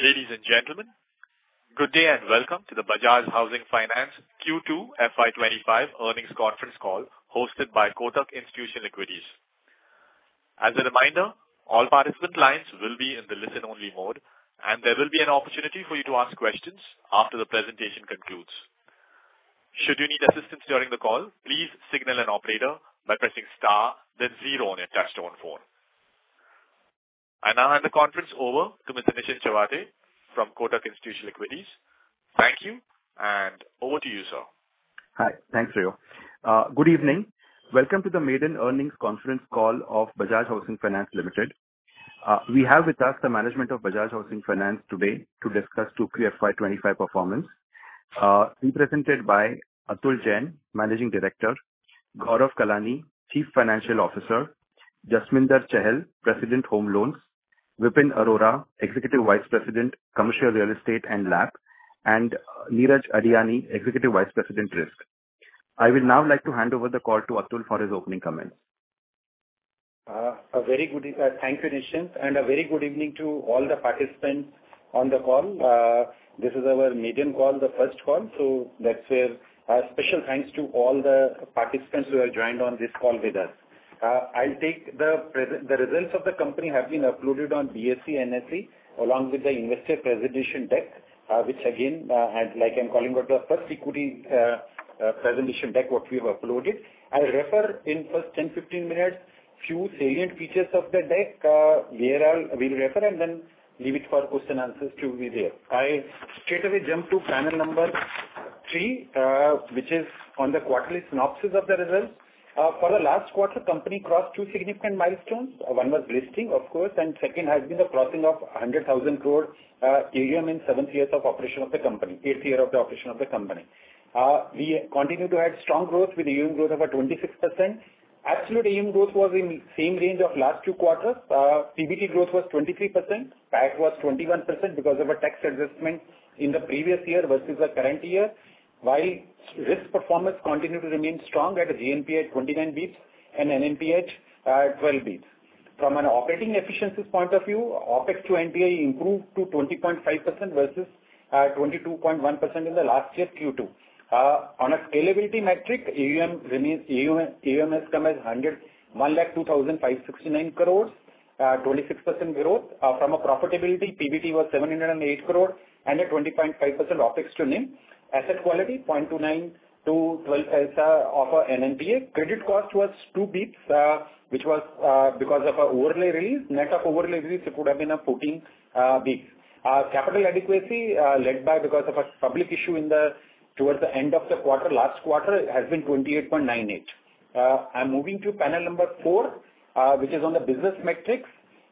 I’m Ladies and gentlemen, good day, and welcome to the Bajaj Housing Finance Q2 FY ‘25 Earnings Conference Call, hosted by Kotak Institutional Equities. As a reminder, all participant lines will be in the listen-only mode, and there will be an opportunity for you to ask questions after the presentation concludes. Should you need assistance during the call, please signal an operator by pressing star, then zero on your touchtone phone. I now hand the conference over to Mr. Nischint Chawathe from Kotak Institutional Equities. Thank you, and over to you, sir. Hi. Thanks, Rio. Good evening. Welcome to the maiden earnings conference call of Bajaj Housing Finance Limited. We have with us the management of Bajaj Housing Finance today to discuss Q2 FY ‘25 performance, represented by Atul Jain, Managing Director, Gaurav Kalani, Chief Financial Officer, Jasminder Chahal, President, Home Loans, Vipin Arora, Executive Vice President, Commercial Real Estate and LAP, and Neeraj Aryani, Executive Vice President, Risk. I will now like to hand over the call to Atul for his opening comments. A very good day. Thank you, Nischint, and a very good evening to all the participants on the call. This is our maiden call, the first call, so that's where a special thanks to all the participants who have joined on this call with us. The results of the company have been uploaded on BSE, NSE, along with the investor presentation deck, which again, as like I'm calling out to our first equity, presentation deck, what we've uploaded. I'll refer in first ten, fifteen minutes, few salient features of the deck, where I'll refer and then leave it for question answers to be there. I straightaway jump to panel number three, which is on the quarterly synopsis of the results. For the last quarter, company crossed two significant milestones. One was listing, of course, and second has been the crossing of 100,000 crore AUM in seventh years of operation of the company, eighth year of the operation of the company. We continue to have strong growth with AUM growth over 26%. Absolute AUM growth was in same range of last two quarters. PBT growth was 23%. PAT was 21% because of a tax adjustment in the previous year versus the current year. While risk performance continued to remain strong at a GNPA at 29 basis points and NNPA at 12 basis points. From an operating efficiencies point of view, Opex to NPA improved to 20.5% versus 22.1% in the last year, Q2. On a scalability metric, AUM has come as 102,569 crores, 26% growth. From a profitability, PBT was 708 crore and a 20.5% Opex to NIM. Asset quality, 0.29% GNPA, 1.2% NNPA. Credit cost was two basis points, which was because of an overlay release. Net of overlay release, it would have been fourteen basis points. Capital adequacy, led by because of a public issue towards the end of the quarter, last quarter, has been 28.98%. I'm moving to panel number four, which is on the business metrics.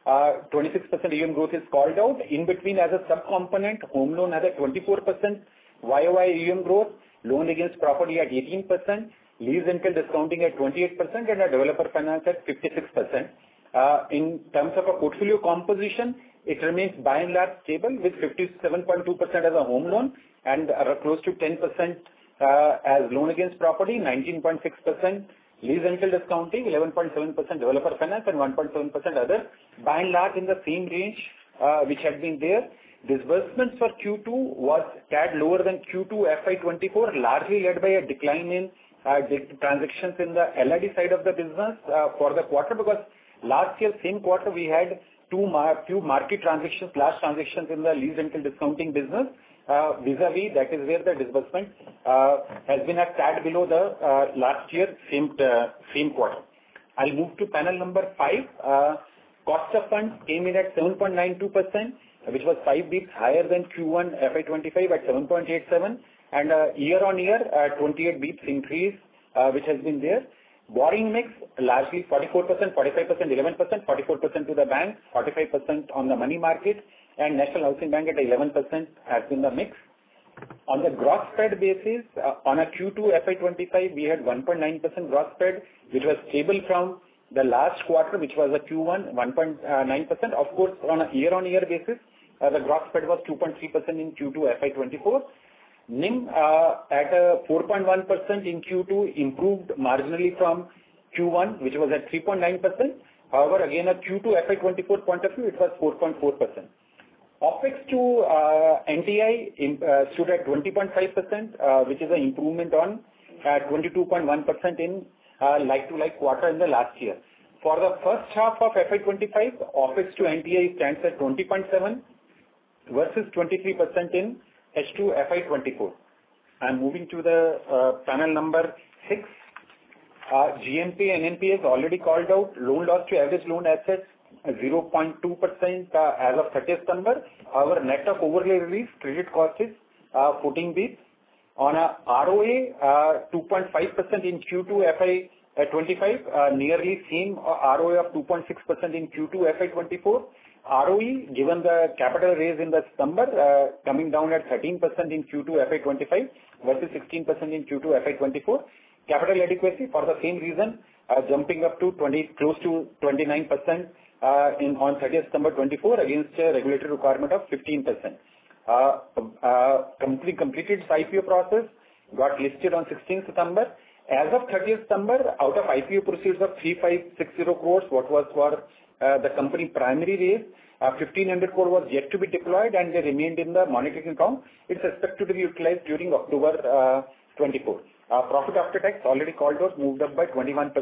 26% AUM growth is called out. In between, as a sub-component, home loan at a 24% YOY AUM growth, loan against property at 18%, lease rental discounting at 28%, and developer finance at 56%. In terms of a portfolio composition, it remains by and large stable, with 57.2% as a home loan and, close to 10%, as loan against property, 19.6% lease rental discounting, 11.7% developer finance, and 1.7% other. By and large, in the same range, which had been there. Disbursement for Q2 was tad lower than Q2 FY 2024, largely led by a decline in, the transactions in the LRD side of the business, for the quarter, because last year, same quarter, we had two market transactions, large transactions in the lease rental discounting business. Vis-a-vis, that is where the disbursement, has been a tad below the, last year, same quarter. I'll move to panel number five. Cost of funds came in at 7.92%, which was five basis points higher than Q1 FY2025 at 7.87%, and year on year, 28 basis points increase, which has been there. Borrowing mix, largely 44%, 45%, 11%. 44% to the bank, 45% on the money market, and National Housing Bank at 11% has been the mix. On the gross spread basis, on a Q2 FY2025, we had 1.9% gross spread, which was stable from the last quarter, which was a Q1, 1.9%. Of course, on a year-on-year basis, the gross spread was 2.3% in Q2 FY2024. NIM at 4.1% in Q2, improved marginally from Q1, which was at 3.9%. However, again, at Q2 FY24 point of view, it was 4.4%. Opex to NTI stood at 20.5%, which is an improvement on 22.1% in like-to-like quarter in the last year. For the first half of FY25, Opex to NTI stands at 20.7% versus 23% in H2 FY24. I'm moving to the panel number six. GNPA, NNPA is already called out. Loan loss to average loan assets, 0.2%, as of 30th December. Our net of overlay release credit cost is 14 basis points. On a ROA, 2.5% in Q2 FY25, nearly same ROA of 2.6% in Q2 FY24. ROE, given the capital raise in December, coming down at 13% in Q2 FY 2025 versus 16% in Q2 FY 2024. Capital adequacy for the same reason, jumping up to 20, close to 29%, as on 30th December 2024, against a regulatory requirement of 15%. Company completed its IPO process, got listed on 16th September. As of 30th September, out of IPO proceeds of 3,560 crores, what was for the company primary raise, 1,500 crore was yet to be deployed, and they remained in the money market account. It's expected to be utilized during October 2024. Our profit after tax already called out, moved up by 21%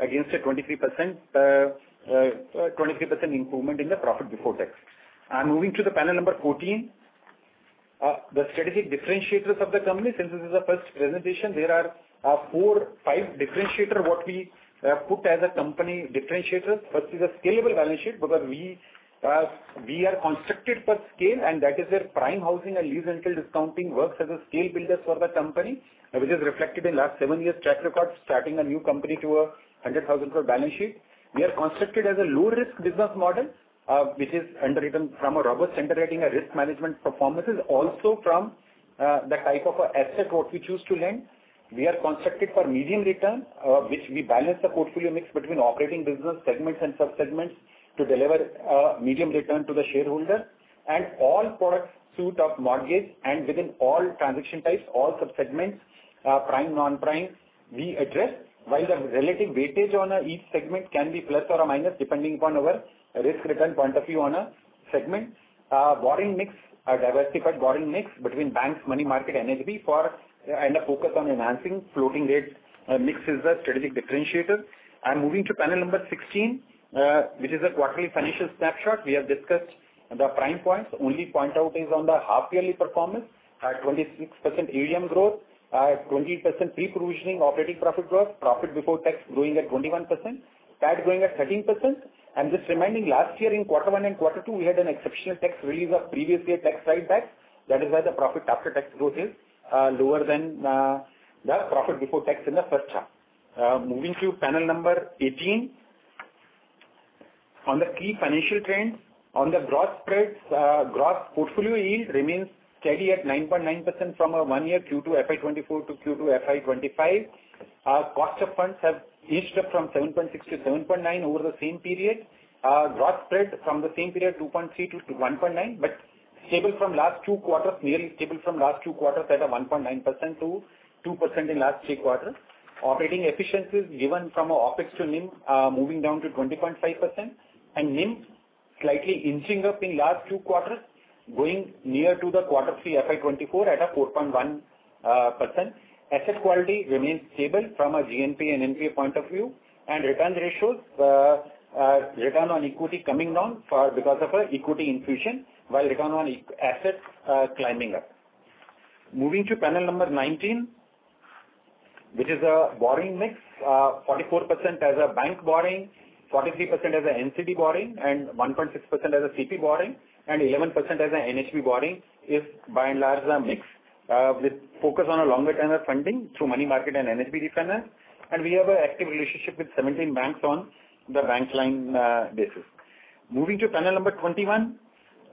against a 23% improvement in the profit before tax. I'm moving to the panel number 14. The strategic differentiators of the company, since this is our first presentation, there are four, five differentiator what we put as a company differentiators. First is a scalable balance sheet, because we are constructed for scale, and that is where prime housing and lease rental discounting works as a scale builder for the company, and which is reflected in last seven years track record, starting a new company to a 100,000 crore balance sheet. We are constructed as a low-risk business model, which is underwritten from a robust underwriting and risk management performances, also from the type of asset what we choose to lend. We are constructed for medium return, which we balance the portfolio mix between operating business segments and sub-segments to deliver medium return to the shareholder. All product suite of mortgage and within all transaction types, all sub-segments, prime, non-prime, we address, while the relative weightage on, each segment can be plus or a minus, depending upon our risk-return point of view on a segment. Our borrowing mix, our diversified borrowing mix between banks, money market, NHB and a focus on enhancing floating rate mix is the strategic differentiator. I'm moving to panel number 16, which is a quarterly financial snapshot. We have discussed the prime points. Only point out is on the half yearly performance at 26% AUM growth, 20% pre-provisioning operating profit growth, profit before tax growing at 21%, PAT growing at 13%. Just reminding last year in quarter one and quarter two, we had an exceptional tax release of previous year tax write back. That is why the profit after tax growth is lower than the profit before tax in the first half. Moving to panel number 18. On the key financial trends, on the gross spreads, gross portfolio yield remains steady at 9.9% from our one-year Q2 FY 2024 to Q2 FY 2025. Our cost of funds have inched up from 7.6% to 7.9% over the same period. Gross spread from the same period, 2.3% to 1.9%, but stable from last two quarters, nearly stable from last two quarters at 1.9% to 2% in last three quarters. Operating efficiencies given from our Opex to NIM, moving down to 20.5% and NIM slightly inching up in last two quarters, going near to the quarter three, FY 2024, at a 4.1%. Asset quality remains stable from a GNPA and NPA point of view, and return ratios, return on equity coming down because of our equity infusion, while return on assets are climbing up. Moving to panel number 19, which is a borrowing mix, 44% as a bank borrowing, 43% as a NCD borrowing, and 1.6% as a CP borrowing, and 11% as a NHB borrowing, is by and large our mix. With focus on a longer tenure funding through money market and NHB refinances. We have an active relationship with 17 banks on the bank lines basis. Moving to panel number twenty-one,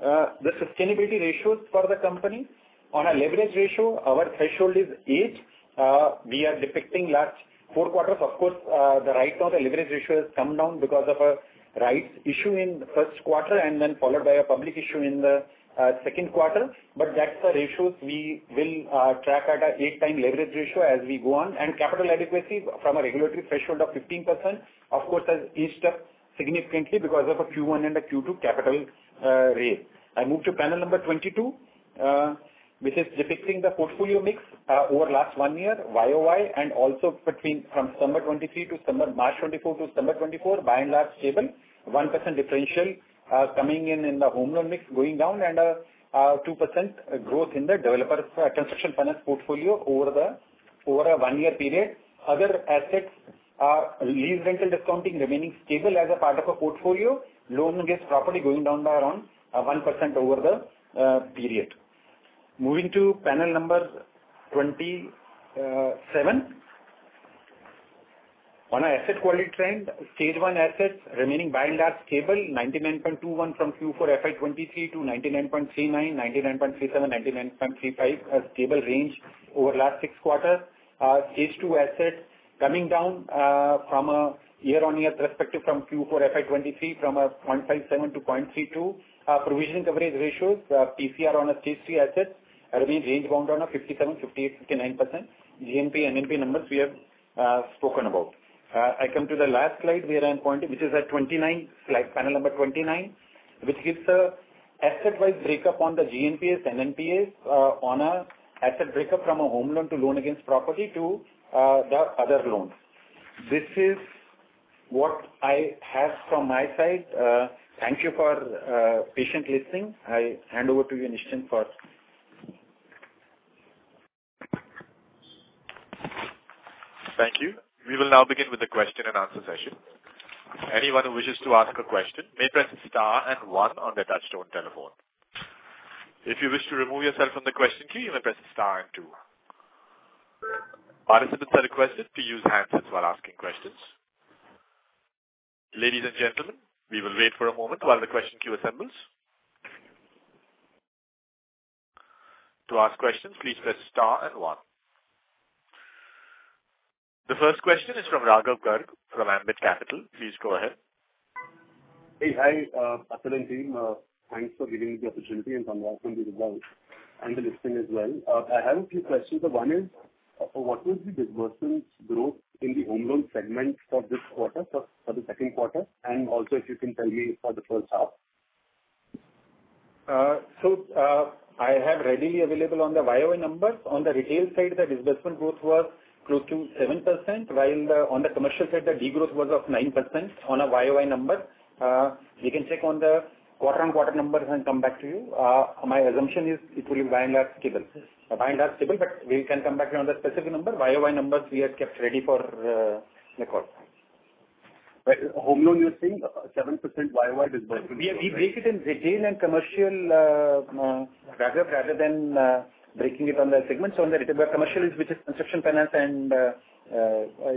the sustainability ratios for the company. On a leverage ratio, our threshold is eight. We are depicting last four quarters. Of course, the right now the leverage ratio has come down because of a rights issue in the first quarter, and then followed by a public issue in the second quarter. But that's the ratios we will track at a eight-time leverage ratio as we go on. And capital adequacy from a regulatory threshold of 15%, of course, has inched up significantly because of a Q1 and a Q2 capital raise. I move to panel number twenty-two, which is depicting the portfolio mix over last one year, YOY, and also between from summer 2023 to summer- March 2024 to summer 2024, by and large, stable. 1% differential coming in, in the Home Loan mix, going down and, 2% growth in the developer, Construction Finance portfolio over a one-year period. Other assets are Lease Rental Discounting remaining stable as a part of a portfolio, Loan Against Property going down by around, 1% over the period. Moving to panel number 27. On our asset quality trend, Stage 1 assets remaining by and large stable, 99.21 from Q4 FY 2023 to 99.39, 99.37, 99.35, a stable range over last six quarters. Stage 2 assets coming down, from a year-on-year perspective from Q4 FY 2023 from 0.57 to 0.32. Provision coverage ratios, PCR on Stage 3 assets being range-bound at 57%-59%. GNPA, NNPA numbers we have spoken about. I come to the last slide, where I'm pointing, which is slide panel number 29, which gives the asset-wise breakup on the GNPAs, NNPAs, on an asset breakup from a home loan to loan against property to the other loans. This is what I have from my side. Thank you for patient listening. I hand over to you, Nischint, for... Thank you. We will now begin with the question-and-answer session. Anyone who wishes to ask a question may press star and one on their touchtone telephone. If you wish to remove yourself from the question queue, you may press star and two. Participants are requested to use handsets while asking questions. Ladies and gentlemen, we will wait for a moment while the question queue assembles. To ask questions, please press star and one. The first question is from Raghav Garg from Ambit Capital. Please go ahead. Hey, hi, Atul and team. Thanks for giving me the opportunity and congratulations on the results and the listing as well. I have a few questions. One is, what will be disbursements growth in the home loan segment for this quarter, for the second quarter, and also if you can tell me for the first half? So, I have readily available on the YOY numbers. On the retail side, the disbursement growth was close to 7%, while on the commercial side, the de-growth was of 9% on a YOY number. We can check on the quarter on quarter numbers and come back to you. My assumption is it will be by and large stable. By and large stable, but we can come back on the specific number. YOY numbers, we have kept ready for the call. Right. Home Loan, you're saying, 7% YOY disbursement? We break it in retail and commercial, rather than breaking it on the segment. So on the retail, where commercial is, which is construction finance and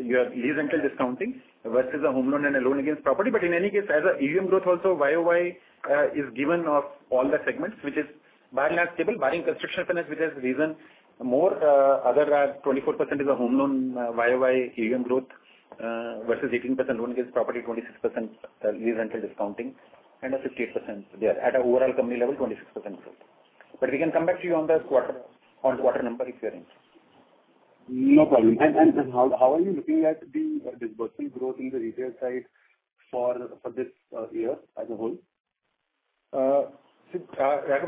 your lease rental discounting, versus a home loan and a loan against property. But in any case, as AUM growth also, YOY, is given of all the segments, which is by and large stable, barring construction finance, which has risen more, other than 24% is a home loan, YOY AUM growth, versus 18% loan against property, 26%, lease rental discounting, and a 58% there. At an overall company level, 26% growth. But we can come back to you on the quarter on quarter number, if you are interested. No problem. And how are you looking at the disbursement growth in the retail side for this year as a whole? So,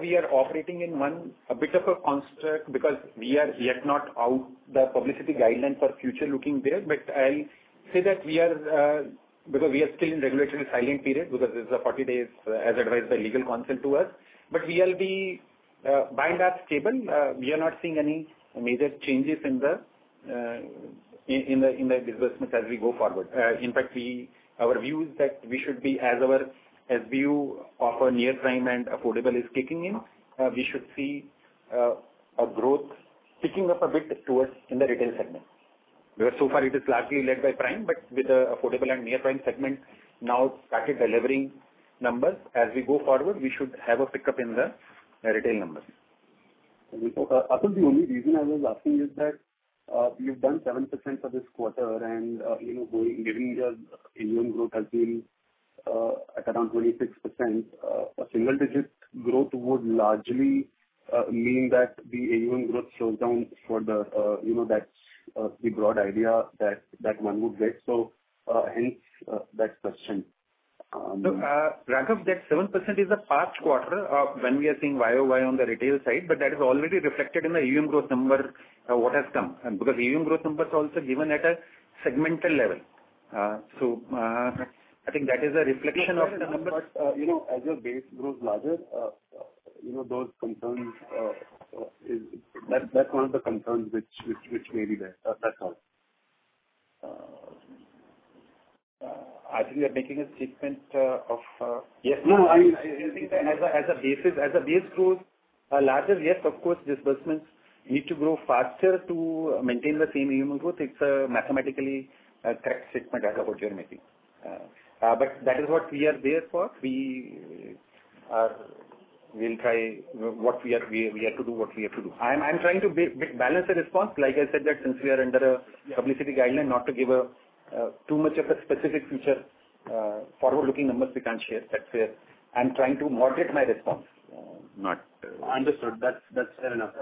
we are operating in a bit of a construct because we are yet not out of the publicity guideline for forward-looking there. But I'll say that we are, because we are still in regulatory silent period, because this is a 40 days, as advised by legal counsel to us. But we will be, by and large stable. We are not seeing any major changes in the disbursements as we go forward. In fact, our view is that we should be as our SBU for a near-prime and affordable is kicking in, we should see a growth picking up a bit towards in the retail segment. Because so far it is largely led by prime, but with the affordable and near-prime segment now started delivering numbers. As we go forward, we should have a pickup in the retail numbers. And so, Atul, the only reason I was asking is that you've done 7% for this quarter, and you know, given the AUM growth has been at around 26%, a single digit growth would largely mean that the AUM growth slows down for the you know, that's the broad idea that one would get. So hence that question. So, Raghav, that 7% is the past quarter, when we are seeing YOY on the retail side, but that is already reflected in the AUM growth number, what has come. Because AUM growth number is also given at a segmental level. So, I think that is a reflection of the number. You know, as your base grows larger, you know, those concerns is that that's one of the concerns which may be there. That's all. I think we are making a statement. Yes. No, I think that… as a basis, as a base grows larger, yes, of course, disbursements need to grow faster to maintain the same AUM growth. It's a mathematically correct statement as a whole you're making. But that is what we are there for. We'll try what we are. We have to do what we have to do. I'm trying to balance the response. Like I said, that since we are under a- Yeah. -publicity guideline, not to give a, too much of a specific future, forward-looking numbers, we can't share. That's where I'm trying to moderate my response. Not- Understood. That's, that's fair enough.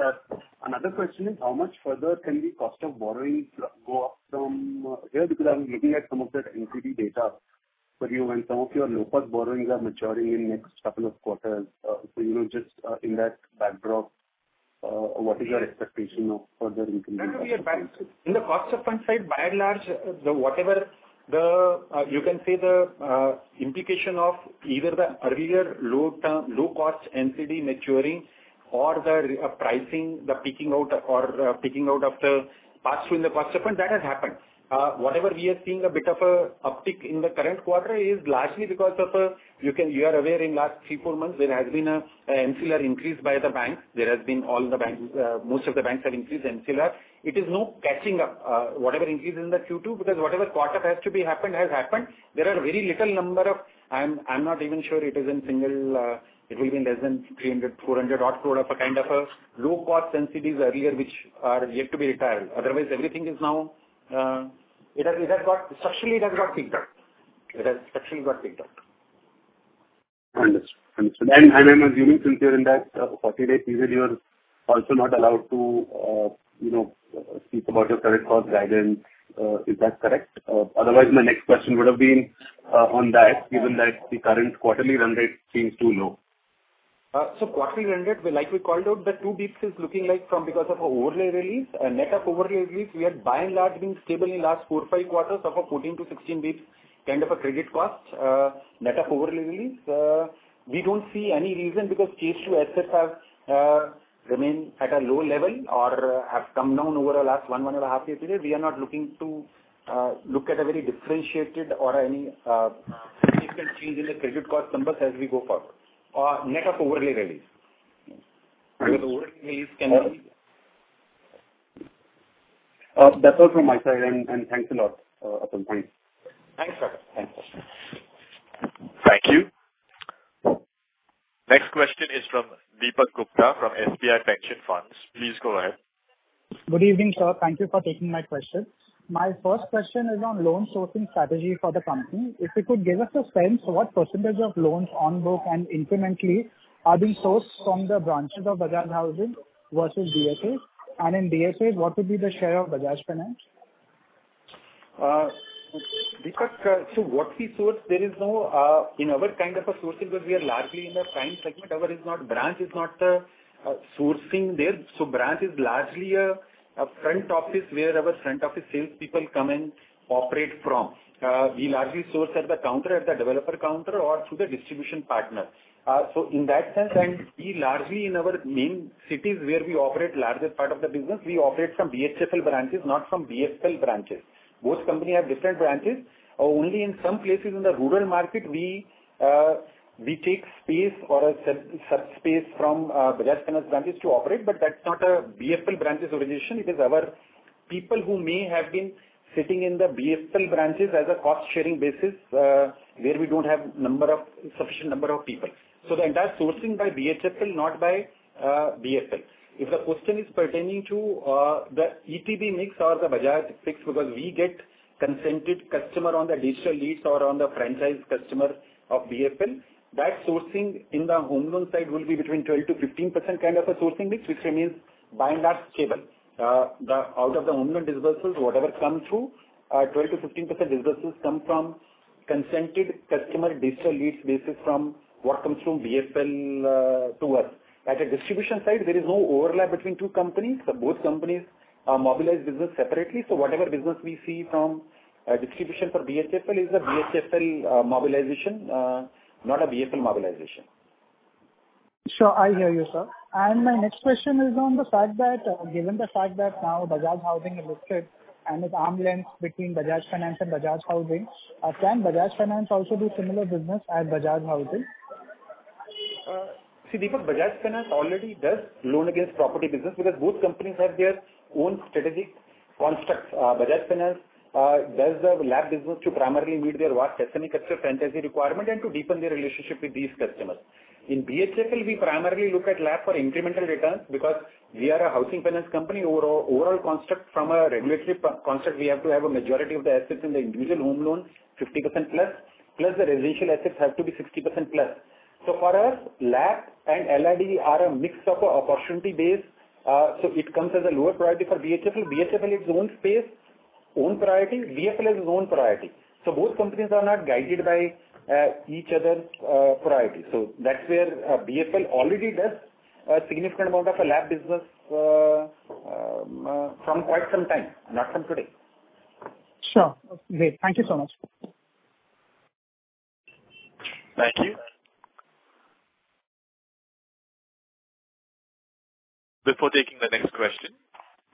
Another question is, how much further can the cost of borrowing go up from here? Because I'm looking at some of that NCD data for you, and some of your low-cost borrowings are maturing in next couple of quarters. So, you know, just in that backdrop, what is your expectation of further increase? Raghav, we are back. In the cost front side, by and large, whatever, you can say, the implication of either the earlier low term, low-cost NCD maturing or the re-pricing, the peaking out of the pass-through in the cost front, that has happened. Whatever we are seeing a bit of a uptick in the current quarter is largely because of, you are aware in last three, four months, there has been a MCLR increase by the bank. There has been all the banks, most of the banks have increased MCLR. It is now catching up, whatever increase in the Q2, because whatever quarter has to be happened, has happened. There are very little number of... I'm not even sure it is in single. It may be less than 300, 400 odd crore of a kind of a low-cost NCDs earlier, which are yet to be retired. Otherwise, everything is now. It has structurally got picked up. Understood. And I'm assuming since you're in that forty-day period, you are also not allowed to, you know, speak about your current cost guidance. Is that correct? Otherwise, my next question would have been on that, given that the current quarterly run rate seems too low. So, quarterly run rate, we likely called out the two basis points is looking like from because of an overlay release, a net ECL overlay release. We are by and large being stable in last four, five quarters of a 14 to 16 basis points, kind of a credit cost, net ECL overlay release. We don't see any reason because Stage 2 assets have remained at a low level or have come down over the last one, one and a half year period. We are not looking to look at a very differentiated or any significant change in the credit cost numbers as we go forward. Net ECL overlay release. Understood. Because overlay release can be- That's all from my side, and thanks a lot, Atul. Thanks. Thank you. Deepak Gupta from SBI Pension Funds. Please go ahead. Good evening, sir. Thank you for taking my question. My first question is on loan sourcing strategy for the company. If you could give us a sense, what percentage of loans on book and incrementally are being sourced from the branches of Bajaj Housing versus BFL? And in BFL, what would be the share of Bajaj Finance? Because, so what we source, there is no in our kind of a sourcing, because we are largely in the prime segment, branch is not sourcing there. So branch is largely a front office, where our front office sales people come and operate from. We largely source at the counter, at the developer counter or through the distribution partner. So in that sense, and we largely in our main cities, where we operate larger part of the business, we operate from BHFL branches, not from BFL branches. Both company have different branches, or only in some places in the rural market, we take space or a sub-space from Bajaj Finance branches to operate, but that's not a BFL branches origination. It is our people who may have been sitting in the BFL branches as a cost-sharing basis, where we don't have sufficient number of people. So the entire sourcing by BFL, not by, BFL. If the question is pertaining to, the ETB mix or the Bajaj mix, because we get consented customer on the digital leads or on the franchise customer of BFL, that sourcing in the home loan side will be between 12 to 15% kind of a sourcing mix, which remains by and large stable. The out of the home loan disbursements, whatever come through, 12 to 15% disbursements come from consented customer digital lead basis from what comes from BFL, to us. At a distribution side, there is no overlap between two companies. So both companies, mobilize business separately. Whatever business we see from distribution for BFL is a BFL mobilization, not a BFL mobilization. Sure, I hear you, sir. And my next question is on the fact that, given the fact that now Bajaj Housing is listed and it's arm's length between Bajaj Finance and Bajaj Housing, can Bajaj Finance also do similar business as Bajaj Housing? See, because Bajaj Finance already does loan against property business, because both companies have their own strategic constructs. Bajaj Finance does the LAP business to primarily meet their vast customer franchise requirement and to deepen their relationship with these customers. In BFL, we primarily look at LAP for incremental returns because we are a housing finance company. Overall construct from a regulatory construct, we have to have a majority of the assets in the individual home loans, 50% plus, plus the residential assets have to be 60% plus. So for us, LAP and LID are a mix of opportunity base. So it comes as a lower priority for BFL. BFL is own space, own priority, BFL has its own priority. So both companies are not guided by each other priority. So that's where BFL already does a significant amount of LAP business for quite some time, not from today. Sure. Great. Thank you so much. Thank you. Before taking the next question,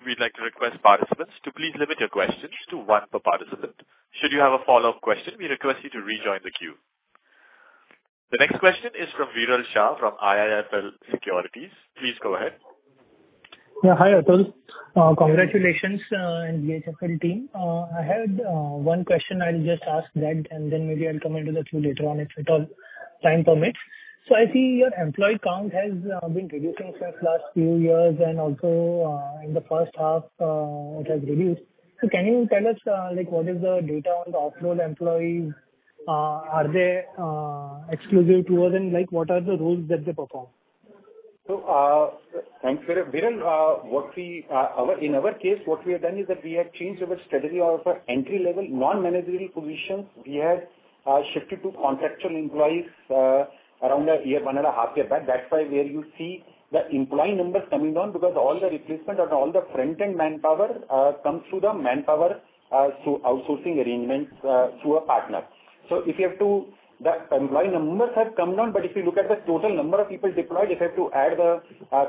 we'd like to request participants to please limit your questions to one per participant. Should you have a follow-up question, we request you to rejoin the queue. The next question is from Viral Shah, from IIFL Securities. Please go ahead. Yeah, hi, Atul. Congratulations, and BFL team. I had one question. I'll just ask that, and then maybe I'll come into the queue later on, if at all time permits. So I see your employee count has been reducing since last few years, and also, in the first half, it has reduced. So can you tell us, like, what is the data on the off-role employees? Are they exclusive to you, and like, what are the roles that they perform? So, thanks, Viral. Viral, what we have done in our case is that we have changed our strategy. Our entry level, non-managerial positions, we have shifted to contractual employees around a year, one and a half year back. That's why where you see the employee numbers coming down, because all the replacement and all the front-end manpower comes through the manpower through outsourcing arrangements through a partner. So if you have to. The employee numbers have come down, but if you look at the total number of people deployed, if I have to add the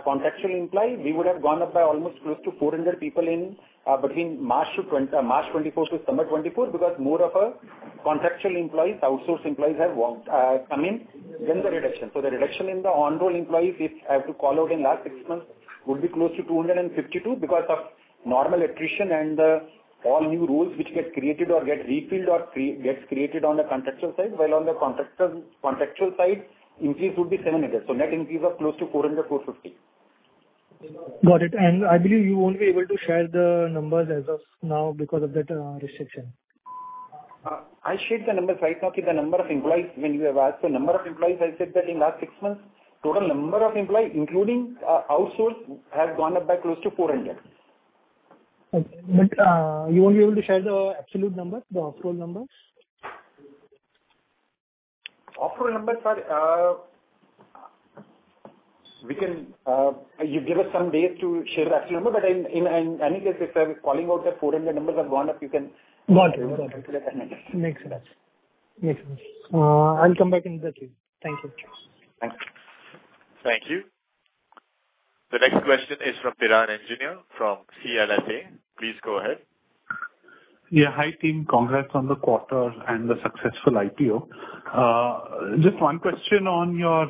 contractual employee, we would have gone up by almost close to 400 people in between March twenty-fourth to December twenty-fourth, because more of a contractual employees, outsourced employees, have come in than the reduction. So the reduction in the on-role employees, if I have to call out in last six months, would be close to 252, because of normal attrition and all new roles which get created or get refilled on the contractual side. While on the contractual side, increase would be 700. So net increase of close to 400-450. Got it. And I believe you won't be able to share the numbers as of now because of that restriction. I shared the numbers right now, with the number of employees. When you have asked the number of employees, I said that in last six months, total number of employees, including outsourced, has gone up by close to four hundred. Okay. But, you won't be able to share the absolute number, the off-role numbers? Off-role numbers are, we can... You give us some days to share the actual number, but in any case, if I'm calling out the four hundred numbers have gone up, you can- Got it. Got it. Calculate that number. Makes sense. Makes sense. I'll come back in the queue. Thank you. Thanks. Thank you. The next question is from Piran Engineer from CLSA. Please go ahead. Yeah. Hi, team. Congrats on the quarter and the successful IPO. Just one question on your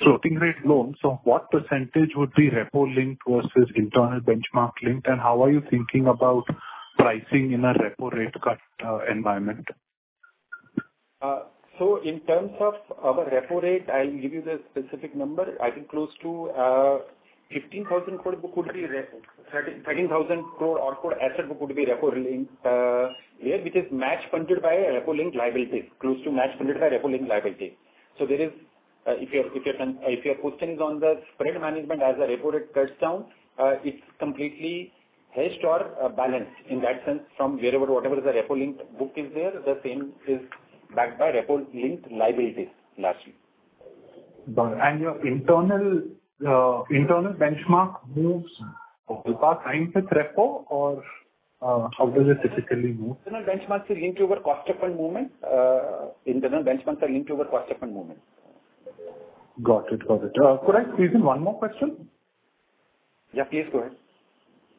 floating rate loans. So what percentage would be repo linked versus internal benchmark linked, and how are you thinking about pricing in a repo rate cut environment?... so in terms of our repo rate, I'll give you the specific number. I think close to 15,000 crore could be repo, 13,000 crore of core asset book would be repo-linked, which is match-funded by repo-linked liabilities, close to match-funded by repo-linked liabilities. So there is if your question is on the spread management as repo rate cuts down, it's completely hedged or balanced in that sense, from wherever, whatever the repo-linked book is there, the same is backed by repo-linked liabilities, largely. Got it. And your internal benchmark moves in par with repo, or how does it typically move? Internal benchmarks are linked to our cost of funds movement. Got it, got it. Could I squeeze in one more question? Yeah, please go ahead.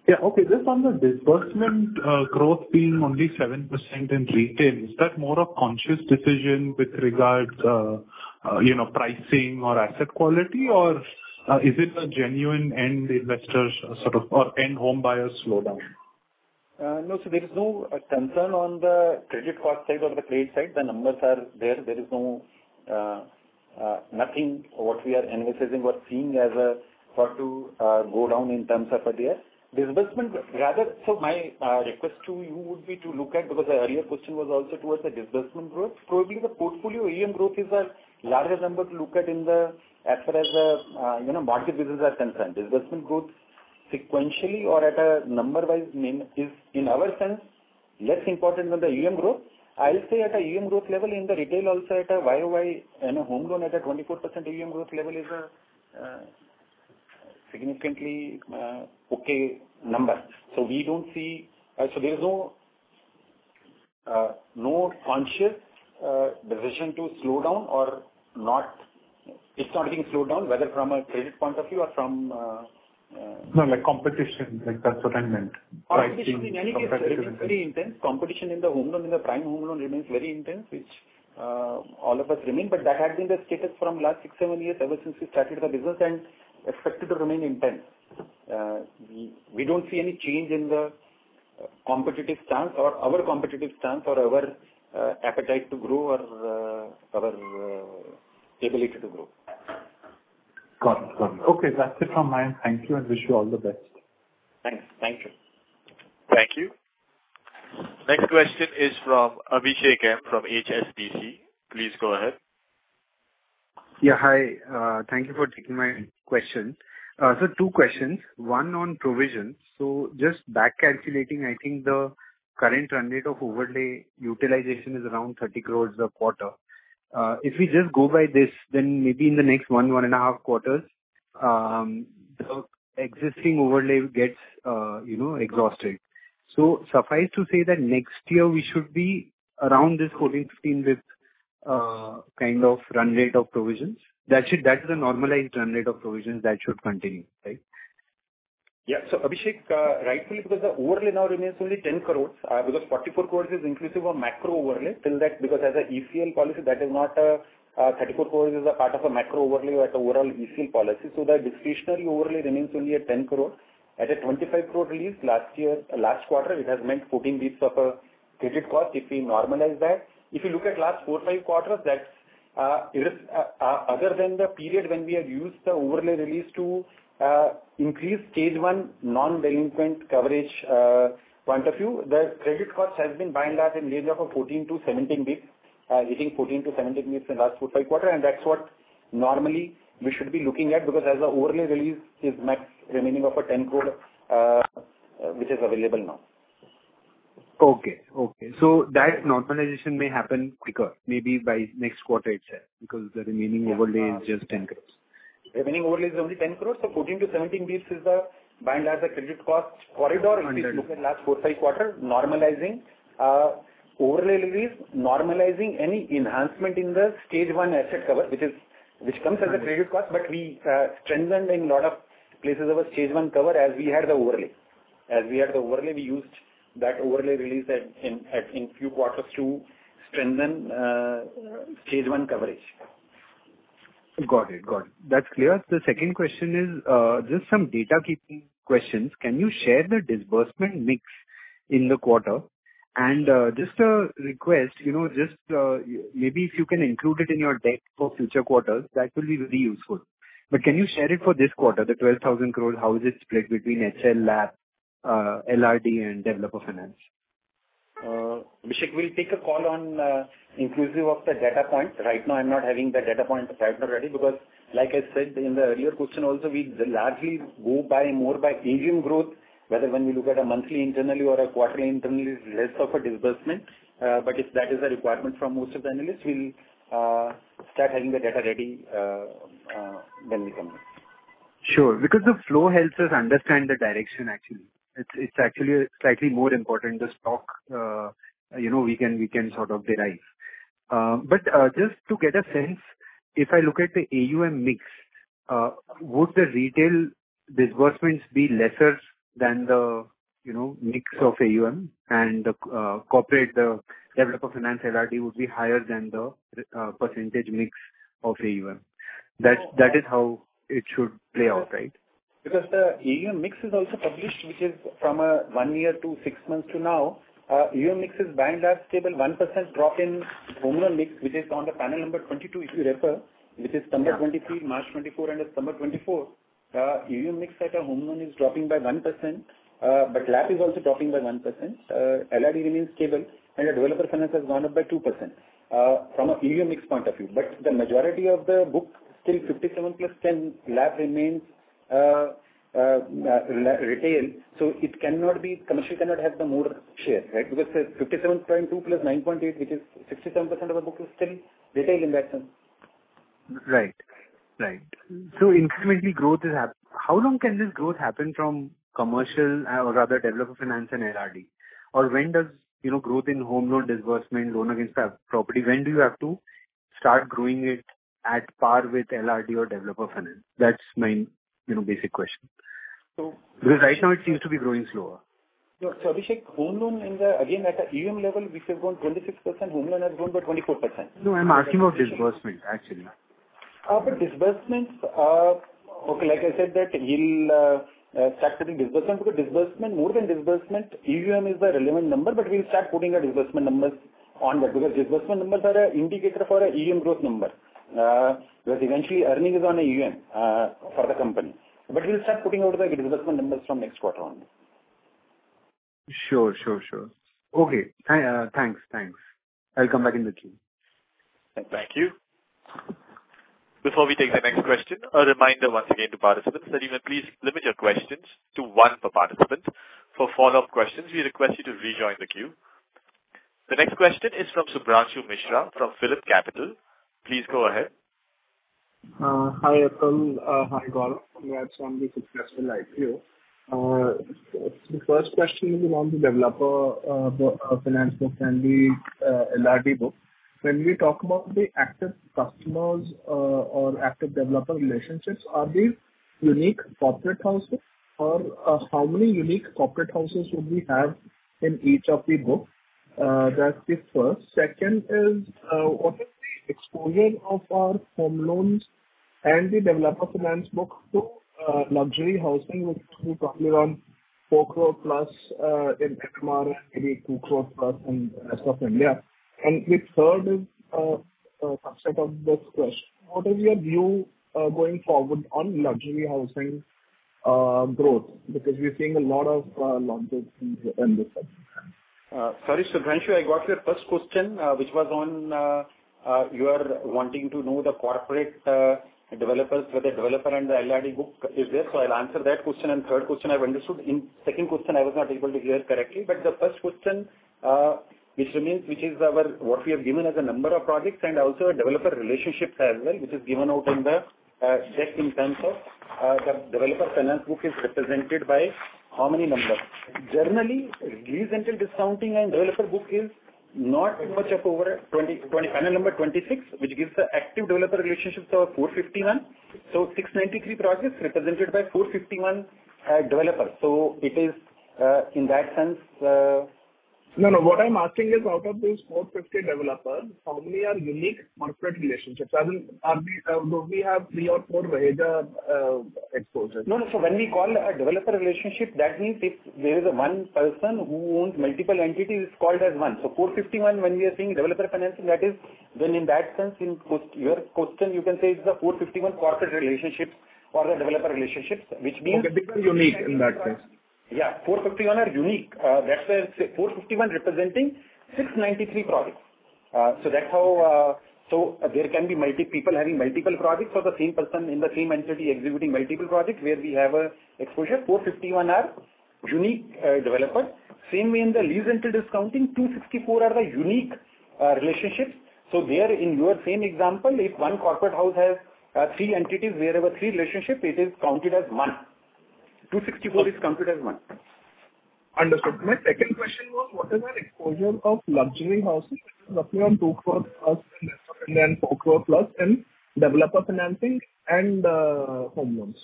Yeah, okay. Just on the disbursement, growth being only 7% in retail, is that more a conscious decision with regards, you know, pricing or asset quality, or, is it a genuine end investors sort of, or end home buyers slowdown? No. So there is no concern on the credit card side or the trade side. The numbers are there. There is nothing what we are envisaging or seeing as a sort of go down in terms of a year. Disbursement, rather, so my request to you would be to look at, because the earlier question was also towards the disbursement growth. Probably the portfolio AUM growth is a larger number to look at in the... As far as, you know, mortgage business are concerned. Disbursement growth sequentially or at a number-wise mean is, in our sense, less important than the AUM growth. I'll say at a AUM growth level, in the retail also at a YOY and a home loan at a 24% AUM growth level is a significantly okay number. So we don't see... So there's no conscious decision to slow down or not. It's not getting slowed down, whether from a credit point of view or from. No, like competition, like that's what I meant. Competition, in any case, it remains very intense. Competition in the home loan, in the prime home loan remains very intense, which all of us remain. But that had been the status from last six, seven years, ever since we started the business and expected to remain intense. We don't see any change in the competitive stance or our competitive stance or our appetite to grow or our ability to grow. Got it, got it. Okay, that's it from my end. Thank you, and wish you all the best. Thanks. Thank you. Thank you. Next question is from Abhishek M from HSBC. Please go ahead. Yeah, hi. Thank you for taking my question. So two questions, one on provision. So just back calculating, I think the current run rate of overlay utilization is around 30 crores a quarter. If we just go by this, then maybe in the next one, one and a half quarters, the existing overlay gets, you know, exhausted. So suffice to say that next year we should be around this 14-15 with kind of run rate of provisions. That should, that is a normalized run rate of provisions that should continue, right? Yeah. So, Abhishek, rightfully, because the overlay now remains only 10 crores, because 44 crores is inclusive of macro overlay. Till that, because as a ECL policy, that is not a, 34 crores is a part of a macro overlay or at overall ECL policy. So the discretionary overlay remains only at 10 crore. At a 25 crore release last year, last quarter, it has meant putting this upper credit cost, if we normalize that. If you look at last four, five quarters, that's, it is, other than the period when we had used the overlay release to, increase stage one non-delinquent coverage, point of view, the credit cost has been behind us in range of a 14-17 basis points. Getting 14-17 basis points in the last 4-5 quarters, and that's what normally we should be looking at, because as the overlay release is max remaining of 10 crore, which is available now. Okay, okay. So that normalization may happen quicker, maybe by next quarter itself, because the remaining overlay is just 10 crores. Remaining overlay is only 10 crores, so 14-17 basis points is the band as a credit cost corridor. Hundred. If you look at last four, five quarter, normalizing overlay release, normalizing any enhancement in the Stage 1 asset cover, which is, which comes as a credit cost, but we strengthened in lot of places our Stage 1 cover as we had the overlay. As we had the overlay, we used that overlay release in few quarters to strengthen Stage 1 coverage. Got it, got it. That's clear. The second question is just some data keeping questions. Can you share the disbursement mix in the quarter? And just a request, you know, just maybe if you can include it in your deck for future quarters, that will be really useful. But can you share it for this quarter, the 12,000 crores, how is it split between HL Lab, LRD, and developer finance? Abhishek, we'll take a call on inclusive of the data point. Right now, I'm not having the data point right now ready, because like I said in the earlier question also, we largely go by more by AUM growth, whether when we look at a monthly internally or a quarterly internally, less of a disbursement. But if that is a requirement from most of the analysts, we'll start having the data ready when we come back. Sure, because the flow helps us understand the direction actually. It's actually slightly more important, the stock, you know, we can sort of derive. But just to get a sense, if I look at the AUM mix, would the retail disbursements be lesser than the, you know, mix of AUM and the corporate, the developer finance LRD would be higher than the percentage mix of AUM? That is how it should play out, right? Because the AUM mix is also published, which is from one year to six months to now. AUM mix has been largely stable, 1% drop in home loan mix, which is on the panel number 22, if you refer. Yeah. Which is December 2023, March 2024, and December 2024. AUM mix at a home loan is dropping by 1%, but LAP is also dropping by 1%. LRD remains stable, and the developer finance has gone up by 2%, from an AUM mix point of view. But the majority of the book, still 57 plus 10, LAP remains, retail, so it cannot be... commercial cannot have the more share, right? Because the 57.2 plus 9.8, which is 67% of the book, is still retail investment. Right. Right. So incrementally, growth is happening. How long can this growth happen from commercial, or rather, developer finance and LRD? Or when does, you know, growth in home loan disbursement, loan against the property, when do you have to start growing it at par with LRD or developer finance? That's my, you know, basic question. So- Because right now it seems to be growing slower. Abhishek, home loan in the, again, at the AUM level, we have grown 26%, home loan has grown by 24%. No, I'm asking about disbursement, actually. But disbursements, okay, like I said, we'll start putting disbursement because disbursement, more than disbursement, AUM is the relevant number, but we'll start putting the disbursement numbers on that. Because disbursement numbers are a indicator for a AUM growth number, because eventually earning is on a AUM for the company. But we'll start putting out the disbursement numbers from next quarter on. Sure, sure, sure. Okay. Thanks, thanks. I'll come back in the queue. Thank you. Before we take the next question, a reminder once again to participants, that you may please limit your questions to one per participant. For follow-up questions, we request you to rejoin the queue. The next question is from Subhranshu Mishra from PhillipCapital. Please go ahead. Hi, Atul. Hi, Gaurav. Congrats on the successful IPO. So the first question is around the developer finance and the LRD book. When we talk about the active customers or active developer relationships, are they unique corporate houses? Or how many unique corporate houses would we have in each of the books? That's the first. Second is what is the exposure of our home loans and the developer finance book to luxury housing, which will probably run four crore plus in MMR and maybe two crore plus in rest of India. And the third is a subset of this question: What is your view going forward on luxury housing growth? Because we're seeing a lot of launches in this segment. Sorry, Subhranshu, I got your first question, which was on, you are wanting to know the corporate, developers, whether developer and the LRD book is there. So I'll answer that question, and third question I've understood. In second question, I was not able to hear correctly. But the first question, which remains, which is our, what we have given as a number of projects and also a developer relationship as well, which is given out in the, deck in terms of, the developer finance book is represented by how many numbers. Generally, lease rental discounting and developer book is not much of over 20, 20, panel number 26, which gives the active developer relationships of 451. So 693 projects represented by 451, developers. So it is, in that sense, No, no. What I'm asking is, out of those four fifty developers, how many are unique corporate relationships? I mean, are we, do we have three or four major, exposures? No, no. So when we call a developer relationship, that means if there is one person who owns multiple entities, it's called as one. So 451, when we are saying developer financing, that is, then in that sense, in question, your question, you can say it's the 451 corporate relationships or the developer relationships, which means- Okay, because unique in that sense. Yeah, 451 are unique. That's where, say, 451 representing 693 projects. So that's how, so there can be multiple people having multiple projects or the same person in the same entity executing multiple projects where we have an exposure. 451 are unique developers. Same way in the Lease Rental Discounting, 264 are the unique relationships. So there in your same example, if one corporate house has three entities where we have three relationships, it is counted as one. 264 is counted as one. Understood. My second question was: What is our exposure of luxury houses roughly on two crore plus in India and four crore plus in developer financing and home loans?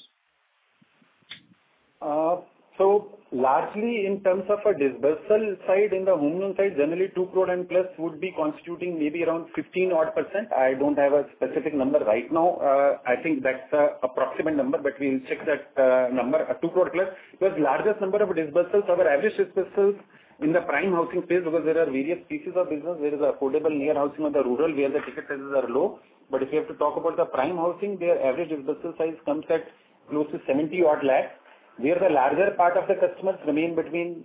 So largely in terms of a disbursal side, in the home loan side, generally 2 crore and plus would be constituting maybe around 15 odd %. I don't have a specific number right now. I think that's the approximate number, but we'll check that number, 2 crore plus. Because largest number of disbursements, our average disbursements in the prime housing space, because there are various pieces of business, there is affordable, near-prime housing or the rural, where the ticket sizes are low. But if you have to talk about the prime housing, their average disbursement size comes at close to 70 odd lakhs, where the larger part of the customers remain between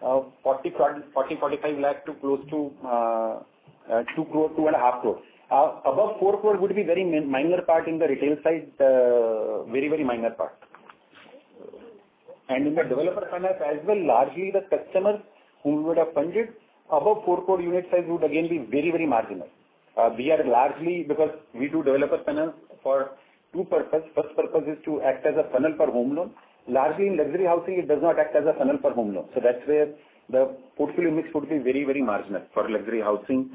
40 lakh, 45 lakh to close to 2 crore, 2.5 crore. Above four crore would be very minor part in the retail side, very, very minor part. And in the developer finance as well, largely the customers who would have funded above four crore unit size would again be very, very marginal. We are largely because we do developer finance for two purpose. First purpose is to act as a funnel for home loan. Largely in luxury housing, it does not act as a funnel for home loan. So that's where the portfolio mix would be very, very marginal for luxury housing.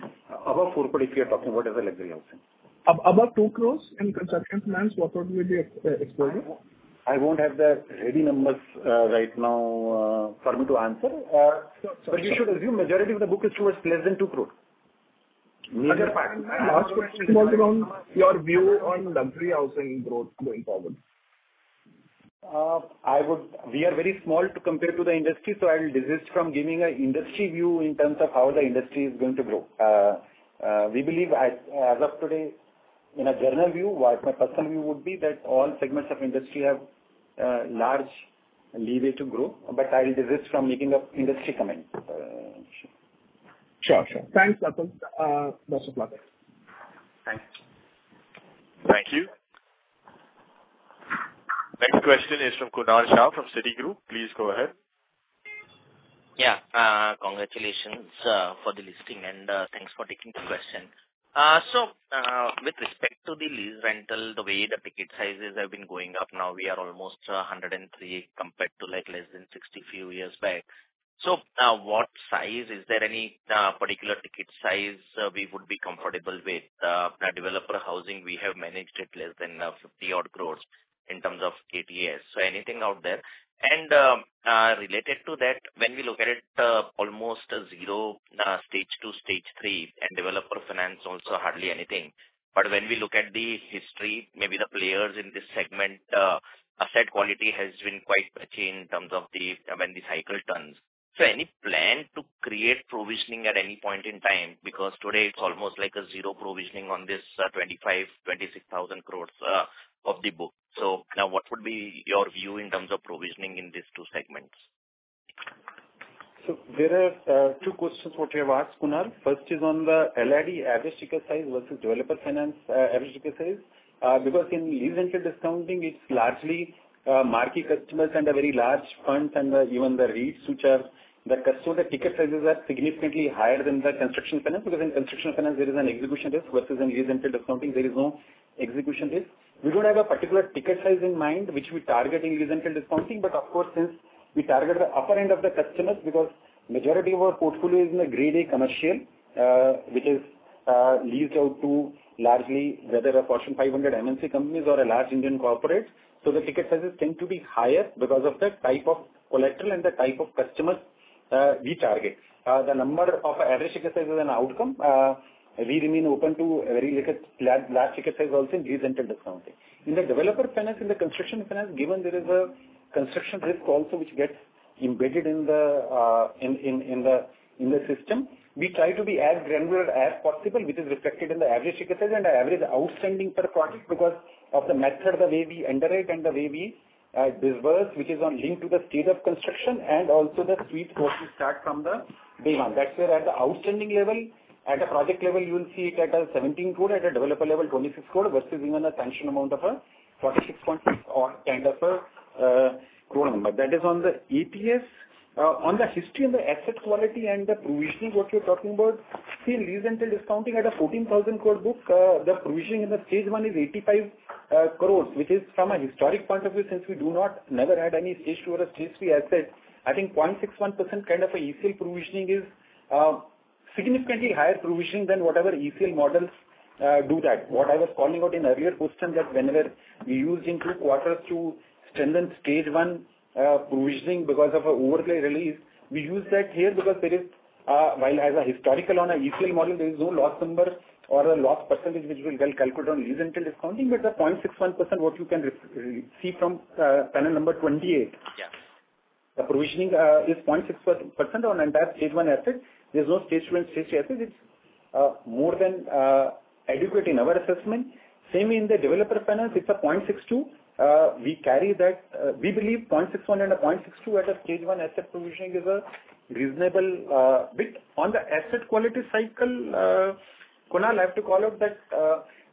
Above four crore, if you're talking about as a luxury housing. Above two crores in construction plans, what would be the exposure?... I won't have the ready numbers right now for me to answer. But you should assume majority of the book is towards less than two crore. Understood. Last question on your view on luxury housing growth going forward. We are very small to compare to the industry, so I will desist from giving an industry view in terms of how the industry is going to grow. We believe as, as of today, in a general view, what my personal view would be that all segments of industry have large leeway to grow, but I'll desist from making an industry comment. Sure, sure. Thanks, Atul. Best of luck. Thanks. Thank you. Next question is from Kunal Shah, from Citigroup. Please go ahead. Yeah. Congratulations for the listing, and thanks for taking the question. So, with respect to the lease rental, the way the ticket sizes have been going up, now we are almost a hundred and three compared to, like, less than sixty few years back. So, what size, is there any particular ticket size we would be comfortable with? The developer finance, we have managed it less than fifty odd crores in terms of ATS. So anything out there? And, related to that, when we look at it, almost a zero Stage 2, Stage 3, and developer finance also hardly anything. But when we look at the history, maybe the players in this segment, asset quality has been quite patchy in terms of the, when the cycle turns. Any plan to create provisioning at any point in time? Because today it's almost like a zero provisioning on this 25,000-26,000 crore of the book. Now what would be your view in terms of provisioning in these two segments? So there are two questions what you have asked, Kunal. First is on the LRD average ticket size versus developer finance average ticket size. Because in lease rental discounting, it's largely marquee customers and a very large funds, and even the REITs. The ticket sizes are significantly higher than the construction finance, because in construction finance, there is an execution risk, versus in lease rental discounting, there is no execution risk. We don't have a particular ticket size in mind, which we target in lease rental discounting. But of course, since we target the upper end of the customers, because majority of our portfolio is in Grade A commercial, which is leased out to largely whether a Fortune 500 MNC companies or a large Indian corporates. So the ticket sizes tend to be higher because of the type of collateral and the type of customers, we target. The number of average ticket size is an outcome. We remain open to very large ticket size also in lease rental discounting. In the developer finance, in the construction finance, given there is a construction risk also, which gets embedded in the system, we try to be as granular as possible, which is reflected in the average ticket size and the average outstanding per project, because of the method, the way we underwrite and the way we disperse, which is linked to the state of construction and also the sales portion start from the day one. That's where at the outstanding level, at a project level, you will see it at 17 crore, at a developer level, 26 crore, versus even a sanction amount of 46 or kind of a crore number. That is on the EPS. On the history and the asset quality and the provisioning, what you're talking about, still Lease Rental Discounting at a 14,000 crore book, the provisioning in the Stage 1 is 85 crores, which is from a historic point of view, since we do not never had any Stage 2 or a Stage 3 asset, I think 0.61% kind of a ECL provisioning is significantly higher provisioning than whatever ECL models do that. What I was calling out in earlier question, that whenever we use in two quarters to strengthen Stage 1 provisioning because of an overlay release, we use that here because there is, while as a historical on an ECL model, there is no loss numbers or a loss percentage, which we'll calculate on lease rental discounting. But the 0.61%, what you can see from panel number 28. Yeah. The provisioning is 0.6% on entire Stage 1 assets. There's no Stage 2 and Stage 3 assets. It's more than adequate in our assessment. Same in the developer finance, it's 0.62%. We carry that. We believe 0.61% and 0.62% at a Stage 1 assets provisioning is a reasonable bit. On the asset quality cycle, Kunal, I have to call out that